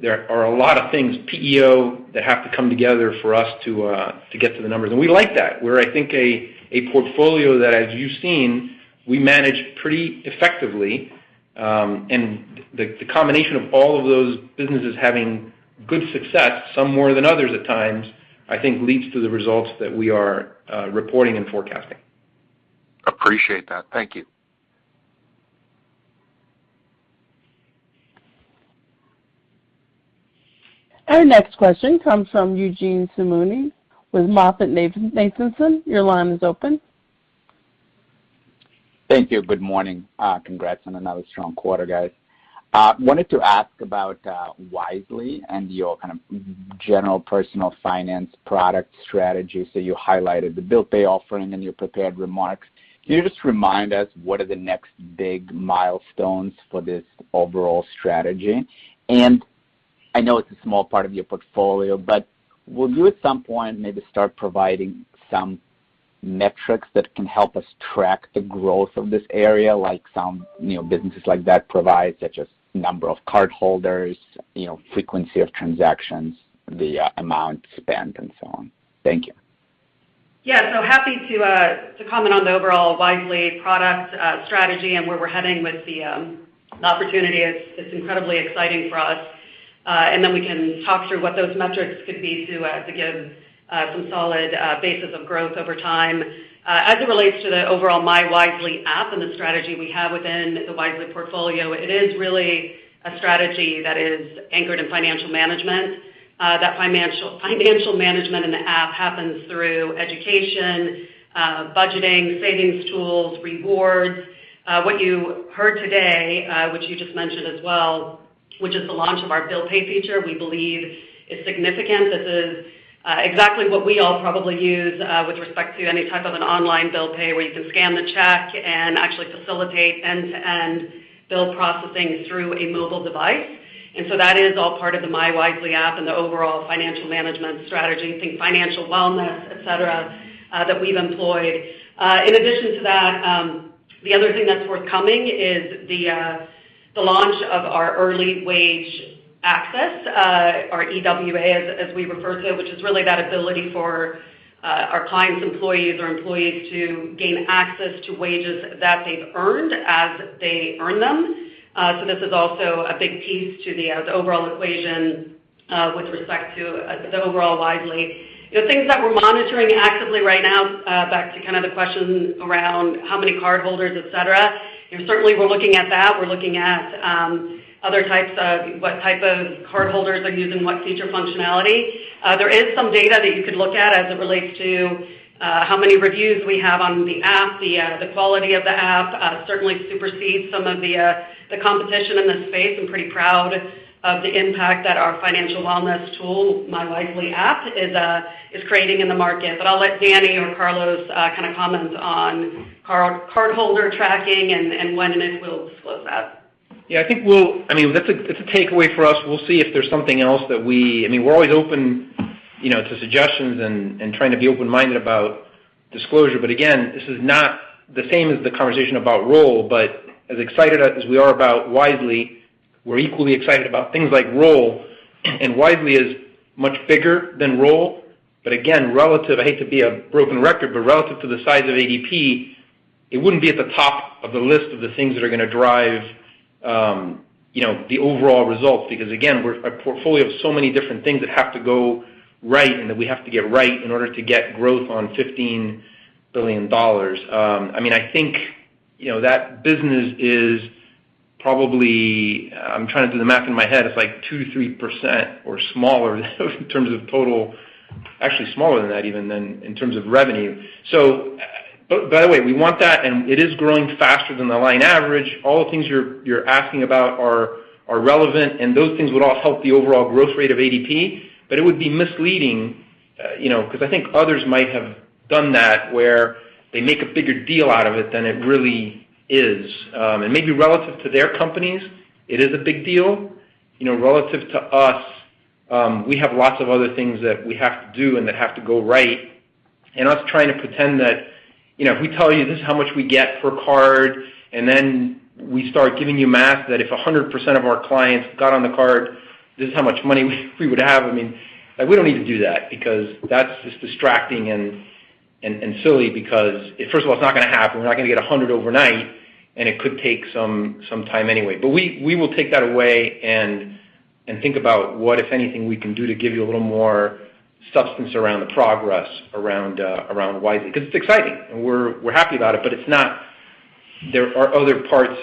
There are a lot of things, PEO, that have to come together for us to get to the numbers. We like that. We're, I think, a portfolio that, as you've seen, we manage pretty effectively. The combination of all of those businesses having good success, some more than others at times, I think leads to the results that we are reporting and forecasting. Appreciate that. Thank you. Our next question comes from Eugene Simuni with MoffettNathanson. Your line is open. Thank you. Good morning. Congrats on another strong quarter, guys. Wanted to ask about Wisely and your kind of general personal finance product strategy. You highlighted the Bill Pay offering in your prepared remarks. Can you just remind us what are the next big milestones for this overall strategy? I know it's a small part of your portfolio, but will you at some point maybe start providing some metrics that can help us track the growth of this area, like some, you know, businesses like that provide, such as number of cardholders, you know, frequency of transactions, the amount spent and so on? Thank you. Yeah. Happy to comment on the overall Wisely product strategy and where we're heading with the opportunity. It's incredibly exciting for us. We can talk through what those metrics could be to give some solid basis of growth over time. As it relates to the overall myWisely app and the strategy we have within the Wisely portfolio, it is really a strategy that is anchored in financial management. That financial management in the app happens through education, budgeting, savings tools, rewards. What you heard today, which you just mentioned as well, which is the launch of our Bill Pay feature, we believe is significant. This is exactly what we all probably use with respect to any type of an online bill pay, where you can scan the check and actually facilitate end-to-end bill processing through a mobile device. That is all part of the myWisely app and the overall financial management strategy, think financial wellness, et cetera, that we've employed. In addition to that, the other thing that's forthcoming is the launch of our early wage access, or EWA, as we refer to, which is really that ability for our clients' employees or employees to gain access to wages that they've earned as they earn them. This is also a big piece to the overall equation with respect to the overall Wisely. The things that we're monitoring actively right now, back to kind of the question around how many cardholders, et cetera, you know, certainly we're looking at that. We're looking at what type of cardholders are using what feature functionality. There is some data that you could look at as it relates to how many reviews we have on the app. The quality of the app certainly supersedes some of the competition in this space. I'm pretty proud of the impact that our financial wellness tool, myWisely app, is creating in the market. I'll let Danny or Carlos kind of comment on cardholder tracking and when and if we'll disclose that. Yeah, I think I mean, that's a takeaway for us. We'll see if there's something else. I mean, we're always open, you know, to suggestions and trying to be open-minded about disclosure. This is not the same as the conversation about Roll, but as excited as we are about Wisely, we're equally excited about things like Roll, and Wisely is much bigger than Roll. Again, relative, I hate to be a broken record, but relative to the size of ADP, it wouldn't be at the top of the list of the things that are gonna drive, you know, the overall results. Because again, we're a portfolio of so many different things that have to go right and that we have to get right in order to get growth on $15 billion. I mean, I think, you know, that business is probably, I'm trying to do the math in my head. It's like 2%-3% or smaller in terms of total. Actually smaller than that even in terms of revenue. By the way, we want that, and it is growing faster than the line average. All the things you're asking about are relevant, and those things would all help the overall growth rate of ADP. But it would be misleading, you know, because I think others might have done that, where they make a bigger deal out of it than it really is. Maybe relative to their companies, it is a big deal. You know, relative to us, we have lots of other things that we have to do and that have to go right. Us trying to pretend that, you know, if we tell you this is how much we get per card, and then we start giving you math that if 100% of our clients got on the card, this is how much money we would have. I mean, like, we don't need to do that because that's just distracting and silly because first of all, it's not gonna happen. We're not gonna get 100 overnight, and it could take some time anyway. We will take that away and think about what, if anything, we can do to give you a little more substance around the progress around Wisely. 'Cause it's exciting, and we're happy about it, but it's not. There are other parts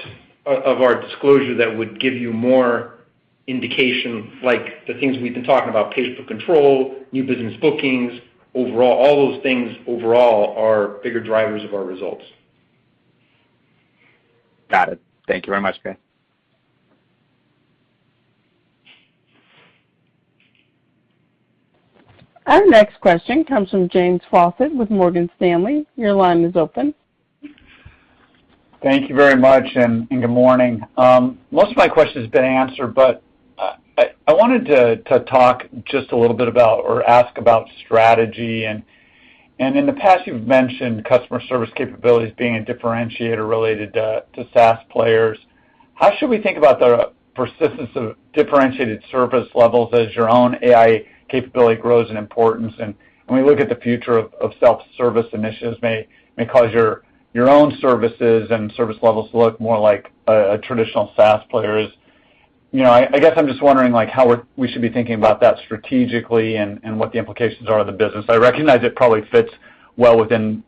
of our disclosure that would give you more indication, like the things we've been talking about, payroll control, new business bookings, overall, all those things overall are bigger drivers of our results. Got it. Thank you very much. Our next question comes from James Faucette with Morgan Stanley. Your line is open. Thank you very much, good morning. Most of my question's been answered, but I wanted to talk just a little bit about or ask about strategy. In the past, you've mentioned customer service capabilities being a differentiator related to SaaS players. How should we think about the persistence of differentiated service levels as your own AI capability grows in importance? When we look at the future of self-service initiatives may cause your own services and service levels to look more like a traditional SaaS player's. You know, I guess I'm just wondering like how we should be thinking about that strategically and what the implications are of the business. I recognize it probably fits well within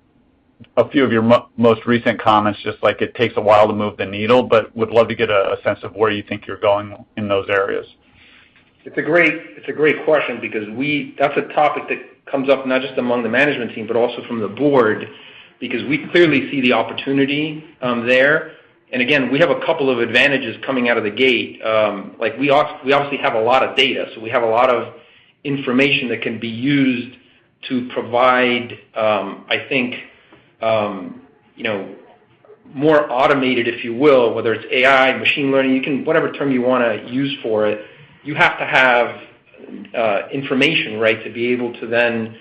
a few of your most recent comments, just like it takes a while to move the needle, but would love to get a sense of where you think you're going in those areas. It's a great question because that's a topic that comes up not just among the management team, but also from the board because we clearly see the opportunity there. Again, we have a couple of advantages coming out of the gate. Like we obviously have a lot of data, so we have a lot of information that can be used to provide, I think, you know, more automated, if you will, whether it's AI, machine learning, whatever term you wanna use for it, you have to have information, right, to be able to then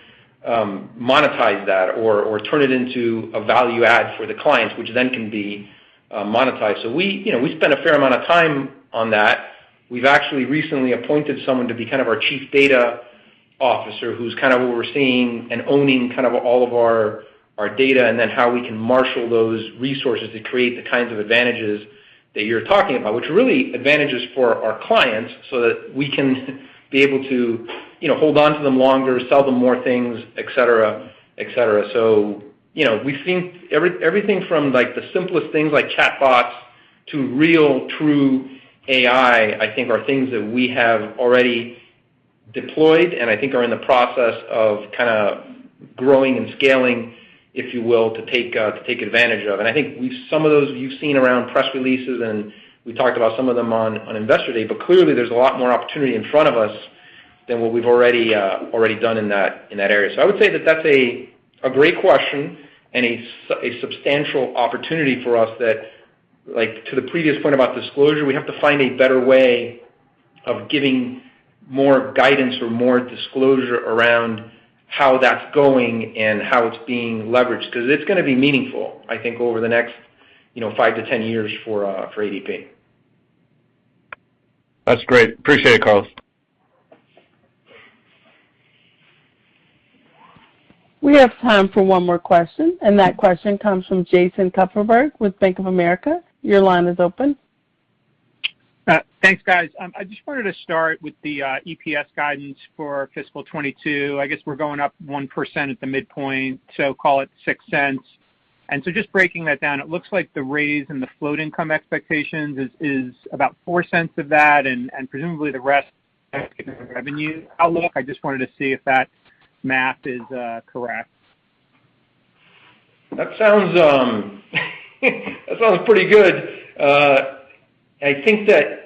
monetize that or turn it into a value add for the clients, which then can be monetized. We, you know, we spend a fair amount of time on that. We've actually recently appointed someone to be kind of our chief data officer who's kind of overseeing and owning kind of all of our data, and then how we can marshal those resources to create the kinds of advantages that you're talking about, which are really advantages for our clients so that we can be able to, you know, hold onto them longer, sell them more things, et cetera, et cetera. So, you know, we've seen everything from, like, the simplest things like chatbots to real true AI, I think are things that we have already deployed and I think are in the process of kinda growing and scaling, if you will, to take advantage of. Some of those you've seen around press releases, and we talked about some of them on Investor Day. Clearly, there's a lot more opportunity in front of us than what we've already done in that area. I would say that's a great question and a substantial opportunity for us that, like, to the previous point about disclosure, we have to find a better way of giving more guidance or more disclosure around how that's going and how it's being leveraged 'cause it's gonna be meaningful, I think, over the next five to 10 years for ADP. That's great. I appreciate it, Carlos. We have time for one more question, and that question comes from Jason Kupferberg with Bank of America. Your line is open. Thanks, guys. I just wanted to start with the EPS guidance for fiscal 2022. I guess we're going up 1% at the midpoint, so call it $0.06. Just breaking that down, it looks like the raise in the float income expectations is about $0.04 of that, and presumably the rest revenue outlook. I just wanted to see if that math is correct. That sounds pretty good. I think that,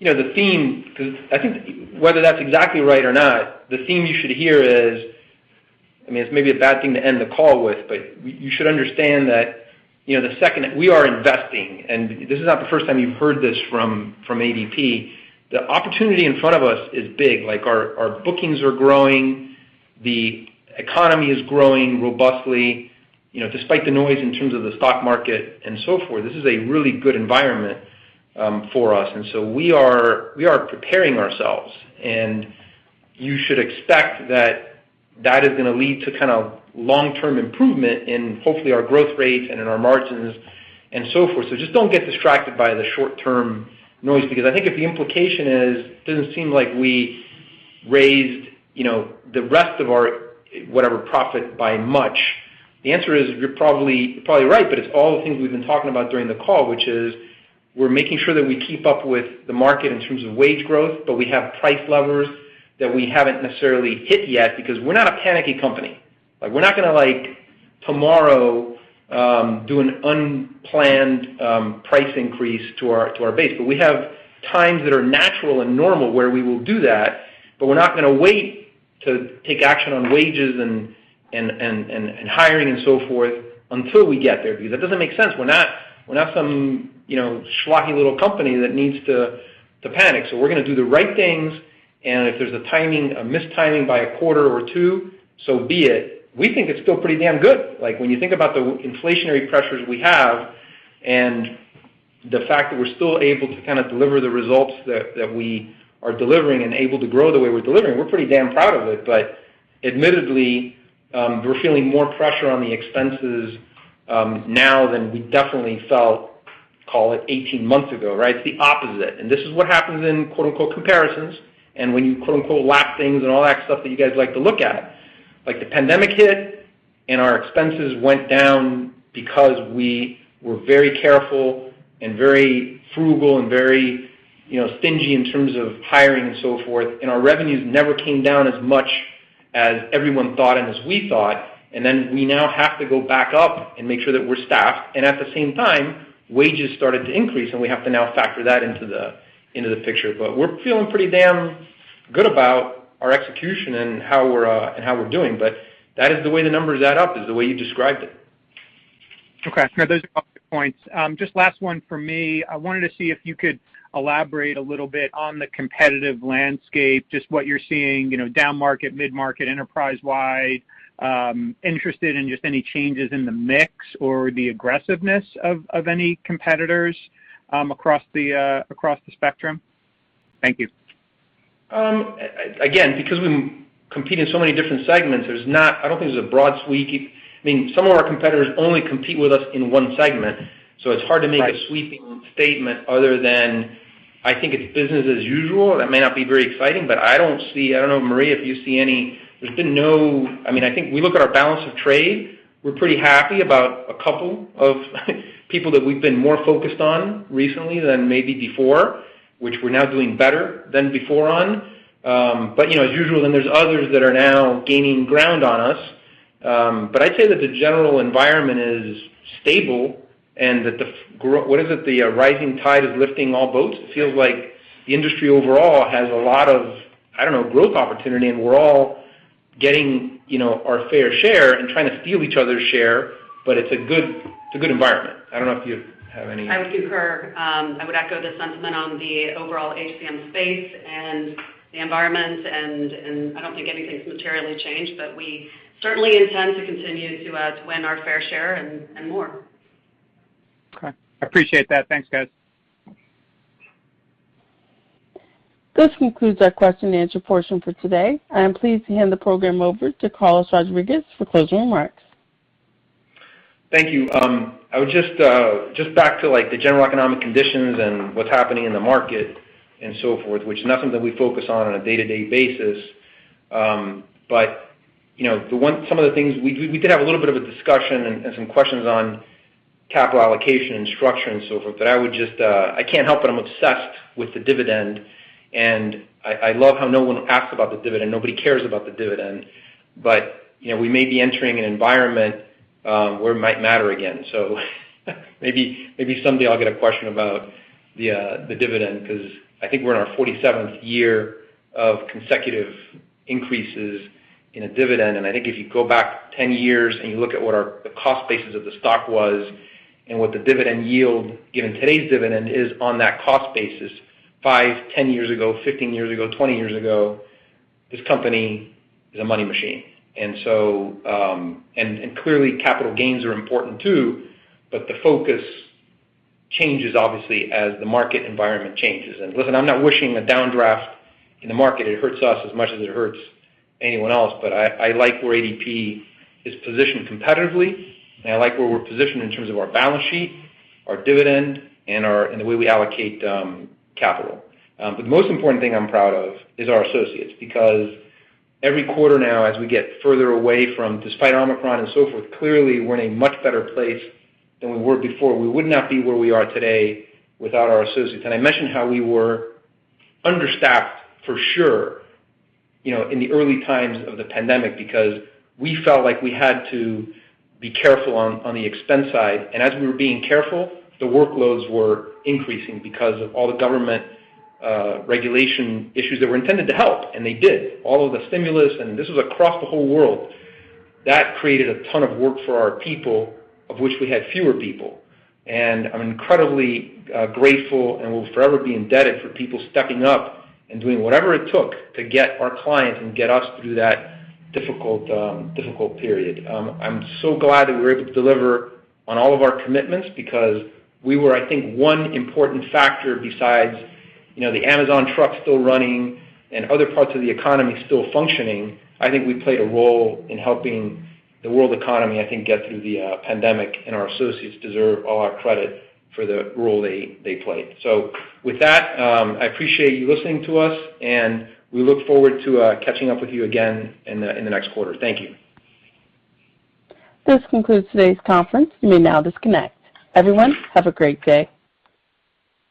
you know, the theme, 'cause I think whether that's exactly right or not, the theme you should hear is, I mean, it's maybe a bad thing to end the call with, but you should understand that, you know, the second that we are investing, and this is not the first time you've heard this from ADP, the opportunity in front of us is big. Like, our bookings are growing. The economy is growing robustly. You know, despite the noise in terms of the stock market and so forth, this is a really good environment for us. We are preparing ourselves, and you should expect that that is gonna lead to kind of long-term improvement in, hopefully, our growth rates and in our margins and so forth. Just don't get distracted by the short-term noise because I think if the implication is, doesn't seem like we raised, you know, the rest of our, whatever, profit by much. The answer is, you're probably right, but it's all the things we've been talking about during the call, which is we're making sure that we keep up with the market in terms of wage growth, but we have price levers that we haven't necessarily hit yet because we're not a panicky company. Like, we're not gonna, like, tomorrow, do an unplanned, price increase to our base. We have times that are natural and normal where we will do that, but we're not gonna wait to take action on wages and hiring and so forth until we get there, because that doesn't make sense. We're not some, you know, schlocky little company that needs to panic. We're gonna do the right things, and if there's a mistiming by a quarter or two, so be it. We think it's still pretty damn good. Like, when you think about the inflationary pressures we have and the fact that we're still able to kinda deliver the results that we are delivering and able to grow the way we're delivering, we're pretty damn proud of it. Admittedly, we're feeling more pressure on the expenses now than we definitely felt, call it 18 months ago, right? It's the opposite. This is what happens in quote-unquote, comparisons, and when you quote-unquote, lap things and all that stuff that you guys like to look at. Like, the pandemic hit, and our expenses went down because we were very careful and very frugal and very, you know, stingy in terms of hiring and so forth, and our revenues never came down as much as everyone thought and as we thought. Then we now have to go back up and make sure that we're staffed. At the same time, wages started to increase, and we have to now factor that into the picture. We're feeling pretty damn good about our execution and how we're, and how we're doing. That is the way the numbers add up, is the way you described it. Okay. No, those are all good points. Just last one from me. I wanted to see if you could elaborate a little bit on the competitive landscape, just what you're seeing, you know, down-market, mid-market, enterprise-wide. Interested in just any changes in the mix or the aggressiveness of any competitors across the spectrum. Thank you. Again, because we compete in so many different segments, I don't think there's a broad sweep. I mean, some of our competitors only compete with us in one segment, so it's hard to make Right. A sweeping statement other than, I think it's business as usual. That may not be very exciting, but I don't see. I don't know, Maria, if you see any. There's been no. I mean, I think we look at our balance of trade. We're pretty happy about a couple of people that we've been more focused on recently than maybe before, which we're now doing better than before on. You know, as usual, there's others that are now gaining ground on us. I'd say that the general environment is stable and that the what is it? The rising tide is lifting all boats. Yes. It feels like the industry overall has a lot of, I don't know, growth opportunity, and we're all getting, you know, our fair share and trying to steal each other's share, but it's a good environment. I don't know if you have any? I would concur. I would echo the sentiment on the overall HCM space and the environment, and I don't think anything's materially changed. We certainly intend to continue to win our fair share and more. Okay. I appreciate that. Thanks, guys. This concludes our question and answer portion for today. I am pleased to hand the program over to Carlos Rodriguez for closing remarks. Thank you. I would just just back to, like, the general economic conditions and what's happening in the market and so forth, which nothing that we focus on on a day-to-day basis. You know, some of the things we did have a little bit of a discussion and some questions on capital allocation and structure and so forth. I would just I can't help it, I'm obsessed with the dividend. I love how no one asks about the dividend. Nobody cares about the dividend. You know, we may be entering an environment where it might matter again. Maybe someday I'll get a question about the dividend because I think we're in our 47th year of consecutive increases in a dividend. I think if you go back 10 years and you look at what the cost basis of the stock was and what the dividend yield given today's dividend is on that cost basis five, 10 years ago, 15 years ago, 20 years ago, this company is a money machine. Clearly, capital gains are important too, but the focus changes obviously as the market environment changes. Listen, I'm not wishing a downdraft in the market. It hurts us as much as it hurts anyone else. I like where ADP is positioned competitively, and I like where we're positioned in terms of our balance sheet, our dividend, and in the way we allocate capital. The most important thing I'm proud of is our associates, because every quarter now, as we get further away from, despite Omicron and so forth, clearly we're in a much better place than we were before. We would not be where we are today without our associates. I mentioned how we were understaffed for sure, you know, in the early times of the pandemic because we felt like we had to be careful on the expense side. As we were being careful, the workloads were increasing because of all the government regulation issues that were intended to help, and they did. All of the stimulus, and this was across the whole world, that created a ton of work for our people, of which we had fewer people. I'm incredibly grateful and will forever be indebted for people stepping up and doing whatever it took to get our clients and get us through that difficult period. I'm so glad that we were able to deliver on all of our commitments because we were, I think, one important factor besides, you know, the Amazon truck still running and other parts of the economy still functioning. I think we played a role in helping the world economy, I think, get through the pandemic, and our associates deserve all our credit for the role they played. With that, I appreciate you listening to us, and we look forward to catching up with you again in the next quarter. Thank you. This concludes today's conference. You may now disconnect. Everyone, have a great day.